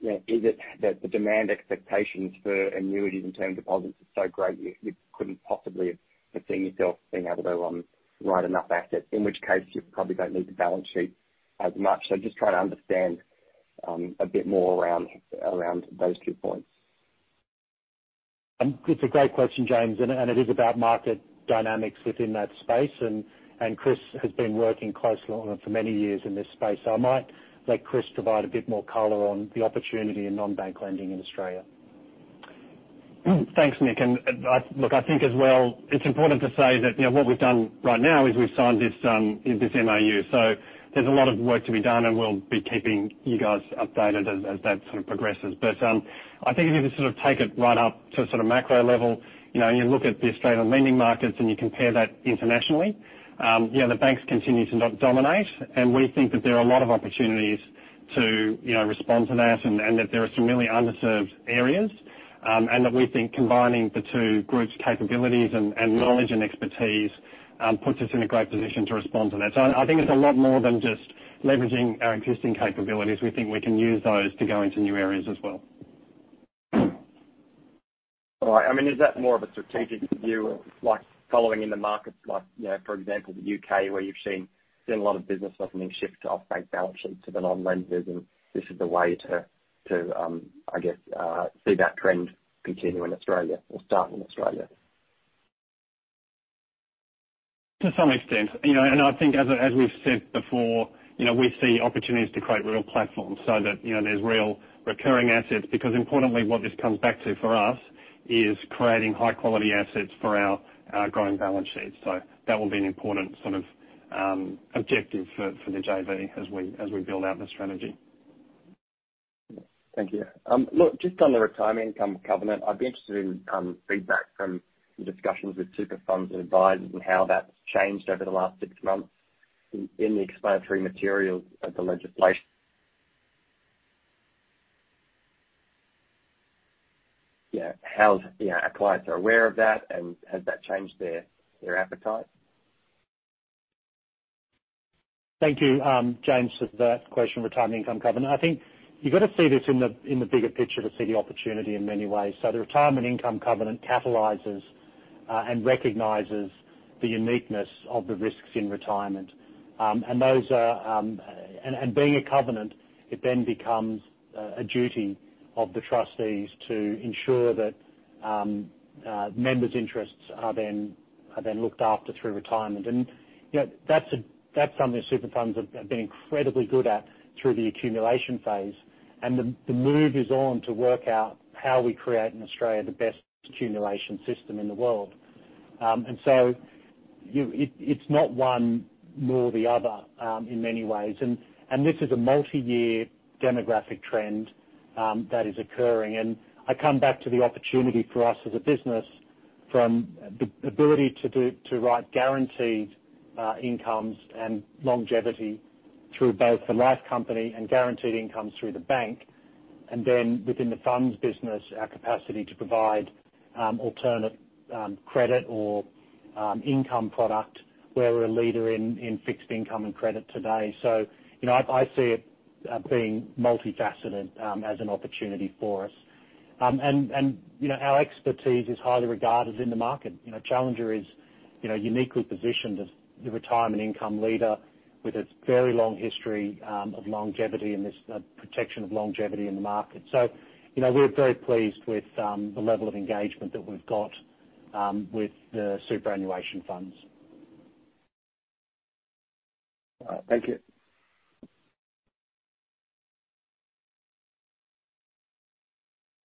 you know, is it that the demand expectations for annuities and term deposits is so great, you couldn't possibly have foreseen yourself being able to write enough assets? In which case you probably don't need the balance sheet as much. Just trying to understand a bit more around those two points. It's a great question, James. It is about market dynamics within that space. Chris has been working closely on it for many years in this space. I might let Chris provide a bit more color on the opportunity in non-bank lending in Australia. Thanks, Nick. Look, I think as well, it's important to say that, you know, what we've done right now is we've signed this MOU. There's a lot of work to be done and we'll be keeping you guys updated as that sort of progresses. I think if you sort of take it right up to a sort of macro level, you know and you look at the Australian lending markets and you compare that internationally, you know, the banks continue to not dominate. We think that there are a lot of opportunities to, you know, respond to that and that there are some really underserved areas. That we think combining the two groups' capabilities and knowledge and expertise puts us in a great position to respond to that. I think it's a lot more than just leveraging our existing capabilities. We think we can use those to go into new areas as well. All right. I mean, is that more of a strategic view of like following in the markets like, you know, for example, the U.K., where you've seen a lot of business origination shift to off-bank balance sheets to the non-bank lenders and this is the way to, I guess, see that trend continue in Australia or start in Australia? To some extent. You know, I think as we've said before, you know, we see opportunities to create real platforms so that, you know, there's real recurring assets. Because importantly, what this comes back to for us is creating high quality assets for our growing balance sheets. That will be an important sort of objective for the JV as we build out the strategy. Thank you. Look, just on the Retirement Income Covenant, I'd be interested in feedback from the discussions with super funds and advisors and how that's changed over the last six months in the explanatory materials of the legislation. You know, how's, you know, are clients aware of that and has that changed their appetite? Thank you, James, for that question on Retirement Income Covenant. I think you've got to see this in the bigger picture to see the opportunity in many ways. The Retirement Income Covenant catalyzes and recognizes the uniqueness of the risks in retirement. Being a covenant, it then becomes a duty of the trustees to ensure that members' interests are then looked after through retirement. You know, that's something super funds have been incredibly good at through the accumulation phase. The move is on to work out how we create in Australia the best accumulation system in the world. It's not one nor the other in many ways. This is a multi-year demographic trend that is occurring. I come back to the opportunity for us as a business from the ability to do, to write guaranteed incomes and longevity through both the life company and guaranteed incomes through the bank. Then within the funds business, our capacity to provide alternate credit or income product where we're a leader in fixed income and credit today. So, you know, I see it being multifaceted as an opportunity for us. And you know, our expertise is highly regarded in the market. You know, Challenger is uniquely positioned as the retirement income leader with its very long history of longevity and this protection of longevity in the market. So, you know, we're very pleased with the level of engagement that we've got with the superannuation funds. All right. Thank you.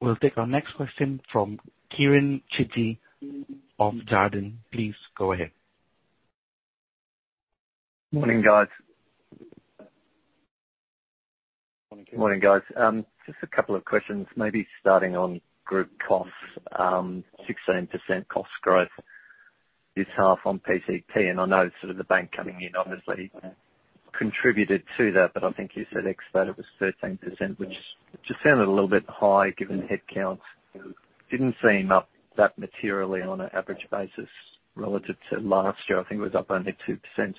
We'll take our next question from Kieren Chidgey of Jarden. Please go ahead. Morning, guys. Morning, Kieren. Morning, guys. Just a couple of questions. Maybe starting on group costs. 16% cost growth this half on pcp and I know sort of the bank coming in obviously contributed to that but I think you said ex that it was 13%, which just sounded a little bit high given headcount didn't seem up that materially on an average basis relative to last year. I think it was up only 2%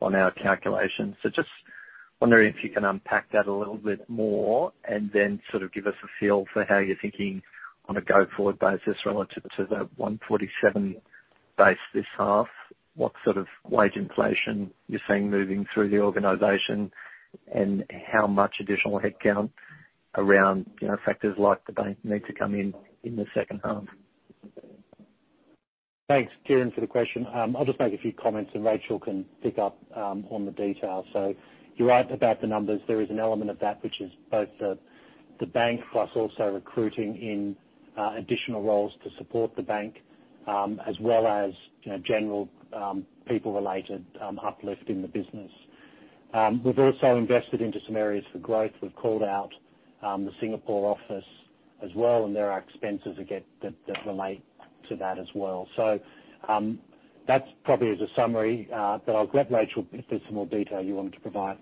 on our calculations. Just wondering if you can unpack that a little bit more and then sort of give us a feel for how you're thinking on a go-forward basis relative to the 147 base this half. What sort of wage inflation you're seeing moving through the organization and how much additional headcount around, you know, factors like the bank need to come in the second half. Thanks, Kieren, for the question. I'll just make a few comments and Rachel can pick up on the details. You're right about the numbers. There is an element of that which is both the bank plus also recruiting in additional roles to support the bank, as well as, you know, general people related uplift in the business. We've also invested into some areas for growth. We've called out the Singapore office as well and there are expenses again that relate to that as well. That's probably as a summary but I'll let Rachel, if there's some more detail you wanted to provide.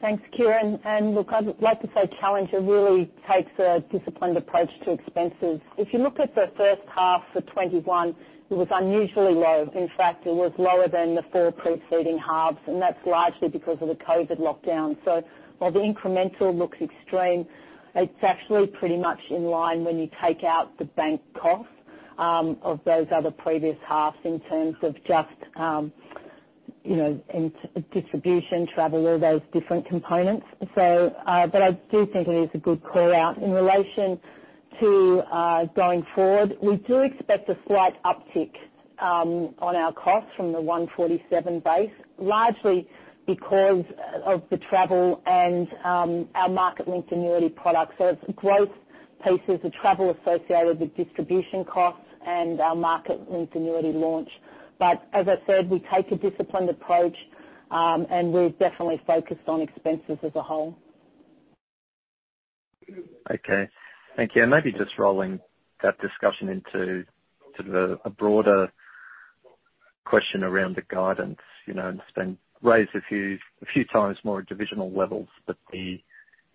Thanks, Kieren. Look, I'd like to say Challenger really takes a disciplined approach to expenses. If you look at the first half for 2021, it was unusually low. In fact, it was lower than the four preceding halves and that's largely because of the COVID lockdown. While the incremental looks extreme, it's actually pretty much in line when you take out the bank costs of those other previous halves in terms of just, you know, distribution, travel, all those different components. I do think it is a good call-out. In relation to going forward, we do expect a slight uptick on our costs from the 147 base, largely because of the travel and our market-linked annuity products. It's growth pieces of travel associated with distribution costs and our market-linked annuity launch. As I said, we take a disciplined approach and we're definitely focused on expenses as a whole. Okay. Thank you. Maybe just rolling that discussion into sort of a broader question around the guidance. You know, I understand you've raised a few times more divisional levels but you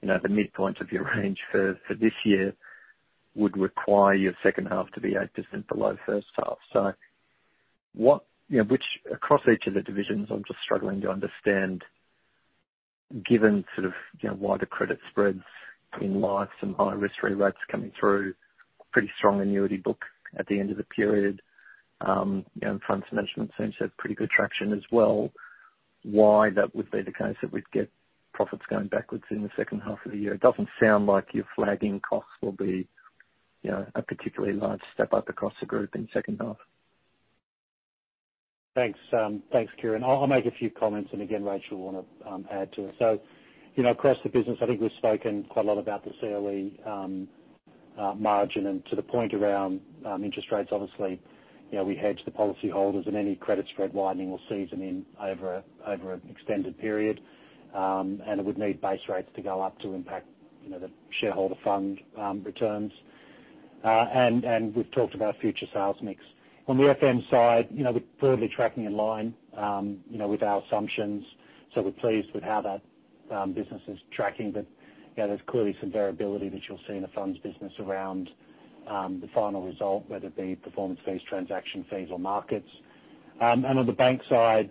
know, the midpoint of your range for this year would require your second half to be 8% below first half. You know, which across each of the divisions, I'm just struggling to understand, given sort of you know, wider credit spreads in life and higher risk-free rates coming through, pretty strong annuity book at the end of the period. You know and funds management seems to have pretty good traction as well. Why that would be the case that we'd get profits going backwards in the second half of the year? It doesn't sound like your flagging costs will be, you know, a particularly large step up across the group in second half. Thanks. Thanks, Kieren. I'll make a few comments and again, Rachel will wanna add to it. You know, across the business, I think we've spoken quite a lot about the COE margin. To the point around interest rates, obviously, you know, we hedge the policy holders and any credit spread widening will season in over an extended period. It would need base rates to go up to impact, you know, the shareholder fund returns. We've talked about future sales mix. On the FM side, you know, we're broadly tracking in line, you know, with our assumptions. We're pleased with how that business is tracking. You know, there's clearly some variability that you'll see in the funds business around the final result, whether it be performance fees, transaction fees, or markets. On the bank side,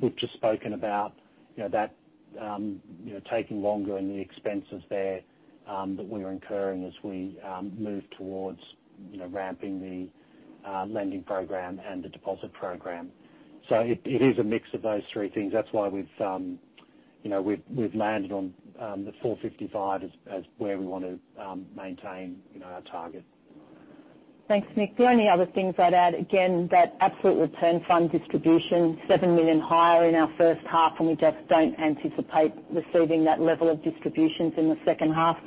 we've just spoken about, you know, that, you know, taking longer and the expenses there that we are incurring as we move towards, you know, ramping the lending program and the deposit program. It is a mix of those three things. That's why we've, you know, we've landed on the 455 as where we want to maintain, you know, our target. Thanks, Nick. The only other things I'd add, again, that absolute return fund distribution, 7 million higher in our first half and we just don't anticipate receiving that level of distributions in the second half.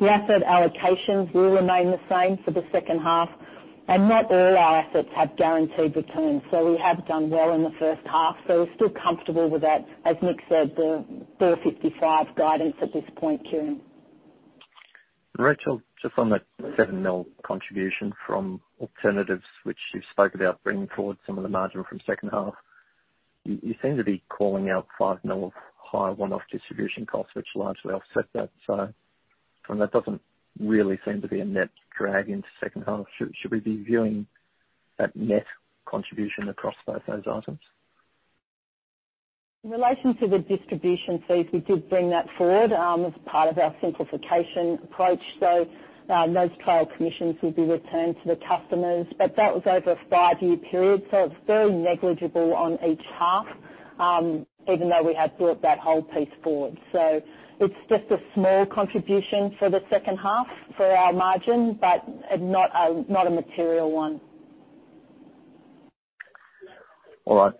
The asset allocations will remain the same for the second half and not all our assets have guaranteed returns. We have done well in the first half, so we're still comfortable with that, as Nick said, the 455 guidance at this point, Kieren. Rachel, just on the 7 million contribution from alternatives, which you spoke about bringing forward some of the margin from second half. You seem to be calling out 5 million of higher one-off distribution costs, which largely offset that. I mean, that doesn't really seem to be a net drag into second half. Should we be viewing that net contribution across both those items? In relation to the distribution fees, we did bring that forward as part of our simplification approach. Those trial commissions will be returned to the customers. That was over a five-year period, so it's very negligible on each half, even though we have brought that whole piece forward. It's just a small contribution for the second half for our margin but not a material one. All right.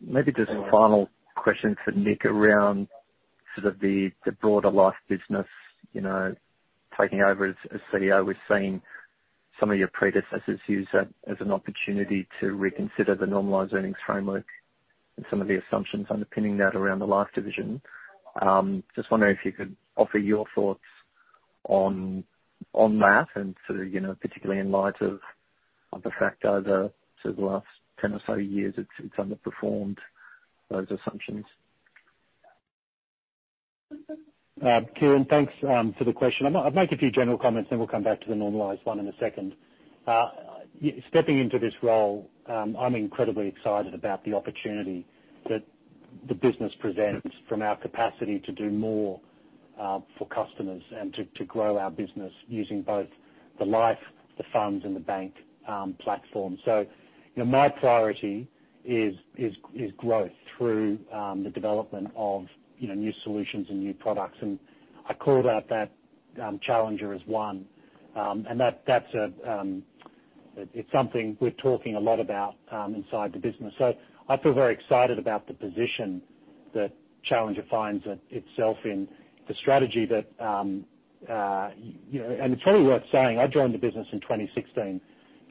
Maybe just a final question for Nick around sort of the broader life business. You know, taking over as CEO, we're seeing some of your predecessors use that as an opportunity to reconsider the normalized earnings framework and some of the assumptions underpinning that around the life division. Just wondering if you could offer your thoughts on that and sort of, you know, particularly in light of the fact over sort of the last 10 or so years it's underperformed those assumptions. Kieren, thanks for the question. I'll make a few general comments, then we'll come back to the normalized one in a second. Stepping into this role, I'm incredibly excited about the opportunity that the business presents from our capacity to do more for customers and to grow our business using both the life, the funds and the bank platform. You know, my priority is growth through the development of new solutions and new products. I called out that Challenger as one. That's a, it's something we're talking a lot about inside the business. I feel very excited about the position that Challenger finds itself in. The strategy that you know, it's probably worth saying, I joined the business in 2016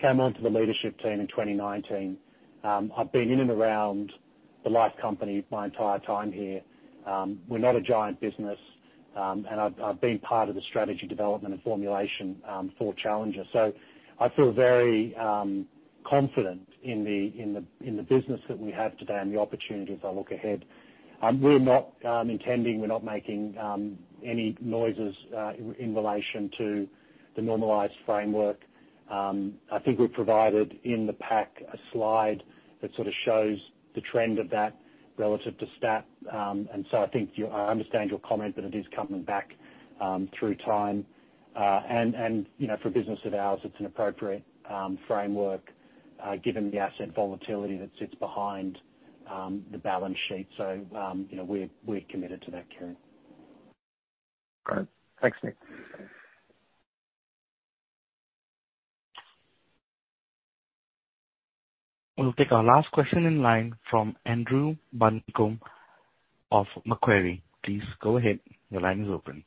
came onto the leadership team in 2019. I've been in and around the life company my entire time here. We're not a giant business and I've been part of the strategy development and formulation for Challenger. I feel very confident in the business that we have today and the opportunities I look ahead. We're not intending. We're not making any noises in relation to the normalized framework. I think we've provided in the pack a slide that sort of shows the trend of that relative to stat. I understand your comment but it is coming back through time. You know, for a business of ours, it's an appropriate framework, given the asset volatility that sits behind the balance sheet. You know, we're committed to that, Kieren. Great. Thanks, Nick. We'll take our last question in line from Andrew Buncombe of Macquarie. Please go ahead. Your line is open.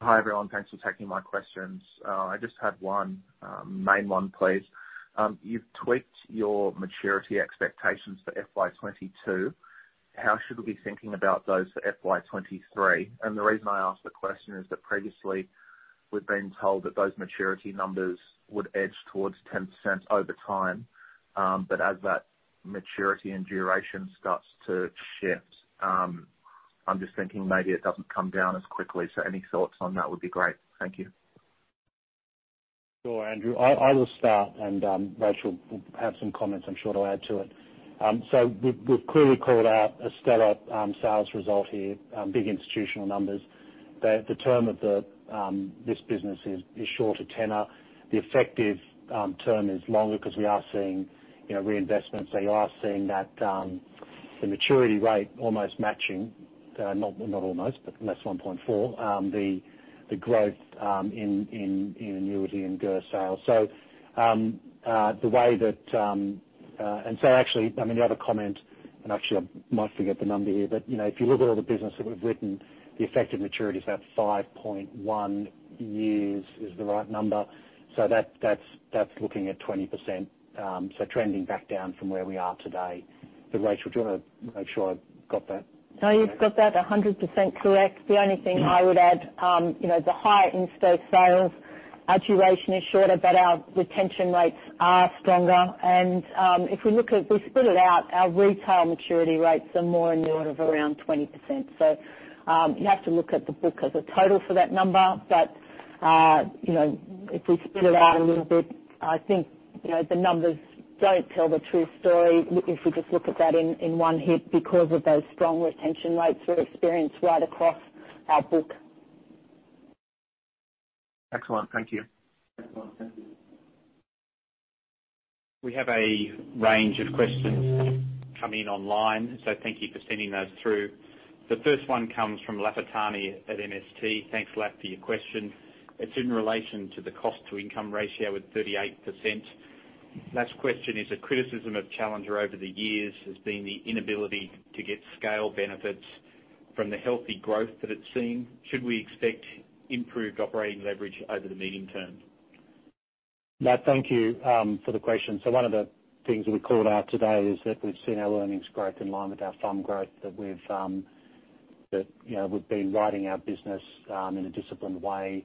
Hi, everyone. Thanks for taking my questions. I just had one main one, please. You've tweaked your maturity expectations for FY 2022. How should we be thinking about those for FY 2023? The reason I ask the question is that previously we've been told that those maturity numbers would edge towards 10% over time. As that maturity and duration starts to shift, I'm just thinking maybe it doesn't come down as quickly. Any thoughts on that would be great. Thank you. Sure, Andrew. I will start and Rachel will have some comments, I'm sure, to add to it. We've clearly called out a stellar sales result here, big institutional numbers. The term of this business is shorter tenor. The effective term is longer because we are seeing, you know, reinvestments. You are seeing that the maturity rate almost matching, not almost but less 1.4 the growth in annuity and GUR sales. The way that and so actually, I mean, the other comment and actually I might forget the number here but, you know, if you look at all the business that we've written, the effective maturity is about 5.1 years is the right number. That's looking at 20%, so trending back down from where we are today. Rachel, do you wanna make sure I've got that correct? No, you've got that 100% correct. The only thing I would add, you know, the higher insto sales, our duration is shorter but our retention rates are stronger. If we look at, we split it out, our retail maturity rates are more in the order of around 20%. You have to look at the book as a total for that number. You know, if we split it out a little bit, I think, you know, the numbers don't tell the true story if we just look at that in one hit because of those strong retention rates we've experienced right across our book. Excellent. Thank you. We have a range of questions coming in online, so thank you for sending those through. The first one comes from Lafitani at MST. Thanks, Laf, for your question. It's in relation to the cost to income ratio at 38%. Laf's question is, a criticism of Challenger over the years has been the inability to get scale benefits from the healthy growth that it's seen. Should we expect improved operating leverage over the medium term? Laf, thank you for the question. One of the things we called out today is that we've seen our earnings growth in line with our firm growth, that we've, you know, we've been writing our business in a disciplined way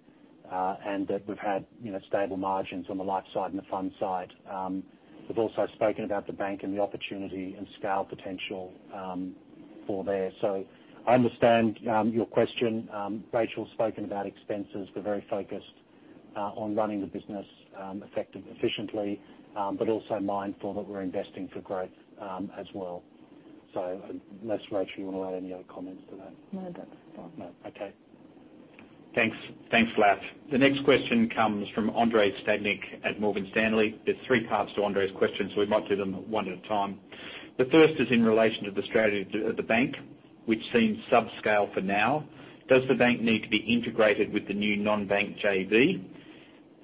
and that we've had, you know, stable margins on the life side and the fund side. We've also spoken about the bank and the opportunity and scale potential for there. I understand your question. Rachel's spoken about expenses. We're very focused on running the business effectively, efficiently but also mindful that we're investing for growth as well. Unless, Rachel, you wanna add any other comments to that? No, that's all. No. Okay. Thanks. Thanks, Laf. The next question comes from Andrei Stadnik at Morgan Stanley. There are three parts to Andrei's question, so we might do them one at a time. The first is in relation to the strategy to, of the bank, which seems subscale for now. Does the bank need to be integrated with the new non-bank JV?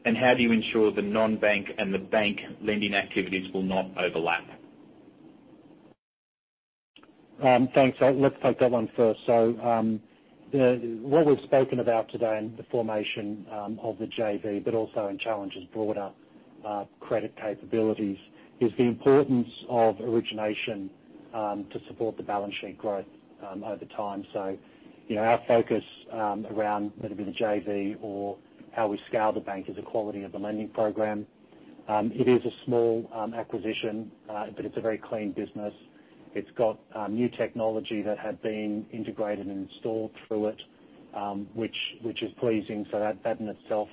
And how do you ensure the non-bank and the bank lending activities will not overlap? Thanks. Let's take that one first. The what we've spoken about today in the formation of the JV but also in Challenger's broader credit capabilities, is the importance of origination to support the balance sheet growth over time. You know, our focus around whether it be the JV or how we scale the bank is the quality of the lending program. It is a small acquisition but it's a very clean business. It's got new technology that had been integrated and sourced through it, which is pleasing. That in itself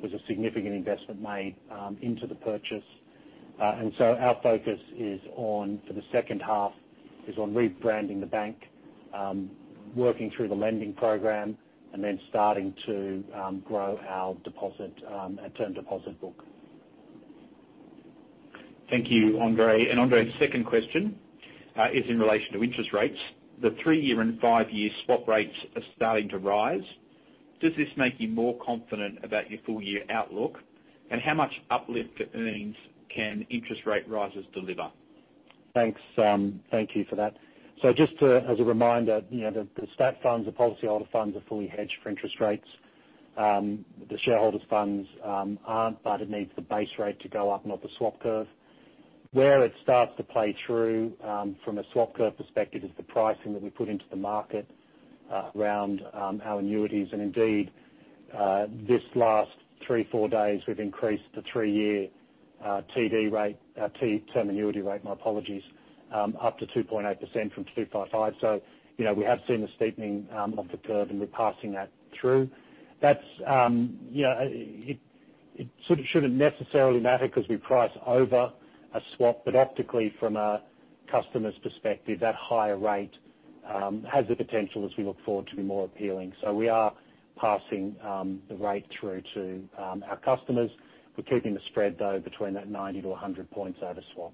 was a significant investment made into the purchase. Our focus is on, for the second half, rebranding the bank, working through the lending program and then starting to grow our deposit and term deposit book. Thank you, Andrei. Andrei's second question is in relation to interest rates. The three-year and five-year swap rates are starting to rise. Does this make you more confident about your full year outlook? How much uplift at earnings can interest rate rises deliver? Thanks. Thank you for that. Just to, as a reminder, you know, the statutory funds, the policyholder funds are fully hedged for interest rates. The shareholders' funds aren't but it needs the base rate to go up, not the swap curve. Where it starts to play through from a swap curve perspective is the pricing that we put into the market around our annuities. Indeed, this last three, four days, we've increased the three-year term annuity rate, my apologies, up to 2.8% from 2.55. You know, we have seen the steepening of the curve and we're passing that through. That's, you know, it sort of shouldn't necessarily matter because we price over a swap but optically from a customer's perspective, that higher rate has the potential as we look forward to be more appealing. We are passing the rate through to our customers. We're keeping the spread though between that 90-100 points over swap.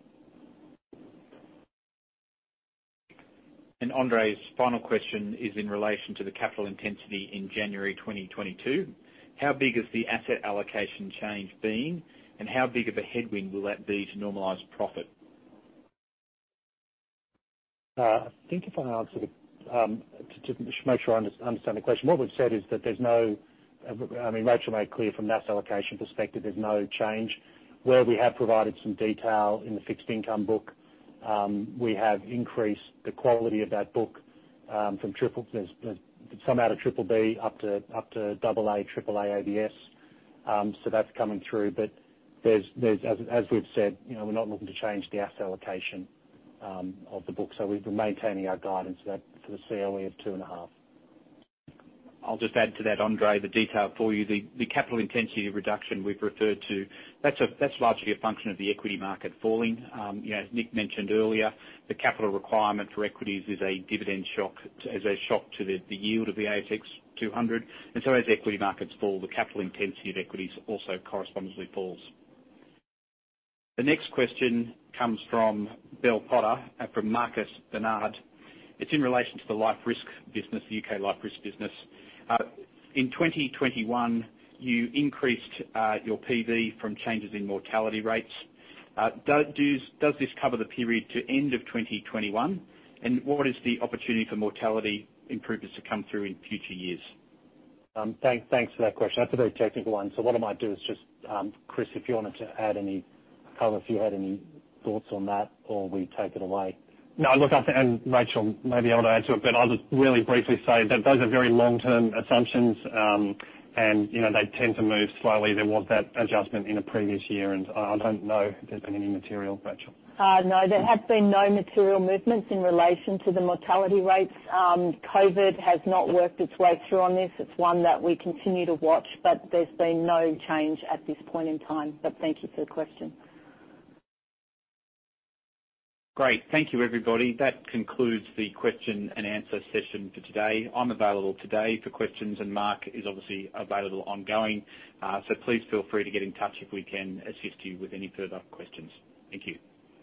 Andrei's final question is in relation to the capital intensity in January 2022. How big has the asset allocation change been and how big of a headwind will that be to normalized profit? I think to make sure I understand the question, what we've said is that there's no, I mean, Rachel made clear from an asset allocation perspective, there's no change. Where we have provided some detail in the fixed income book, we have increased the quality of that book, from triple B, some out of triple B up to double A, triple A ABS. So that's coming through. But we've said, you know, we're not looking to change the asset allocation of the book. We've been maintaining our guidance that for the COE of 2.5%. I'll just add to that, Andrei, the detail for you. The capital intensity reduction we've referred to, that's largely a function of the equity market falling. You know, as Nick mentioned earlier, the capital requirement for equities is a dividend shock, a shock to the yield of the ASX 200. Equity markets fall, the capital intensity of equities also correspondingly falls. The next question comes from Bell Potter, from Marcus Barnard. It's in relation to the life risk business, the U.K. life risk business. In 2021, you increased your PV from changes in mortality rates. Does this cover the period to end of 2021? And what is the opportunity for mortality improvements to come through in future years? Thanks for that question. That's a very technical one, so what I might do is just, Chris, if you wanted to add any color, if you had any thoughts on that or we take it away. No, look, I think and Rachel may be able to add to it but I'll just really briefly say that those are very long-term assumptions. You know, they tend to move slowly. There was that adjustment in a previous year and I don't know if there's been any material. Rachel? No, there have been no material movements in relation to the mortality rates. COVID has not worked its way through on this. It's one that we continue to watch but there's been no change at this point in time. Thank you for the question. Great. Thank you, everybody. That concludes the question and answer session for today. I'm available today for questions and Mark is obviously available ongoing. Please feel free to get in touch if we can assist you with any further questions. Thank you.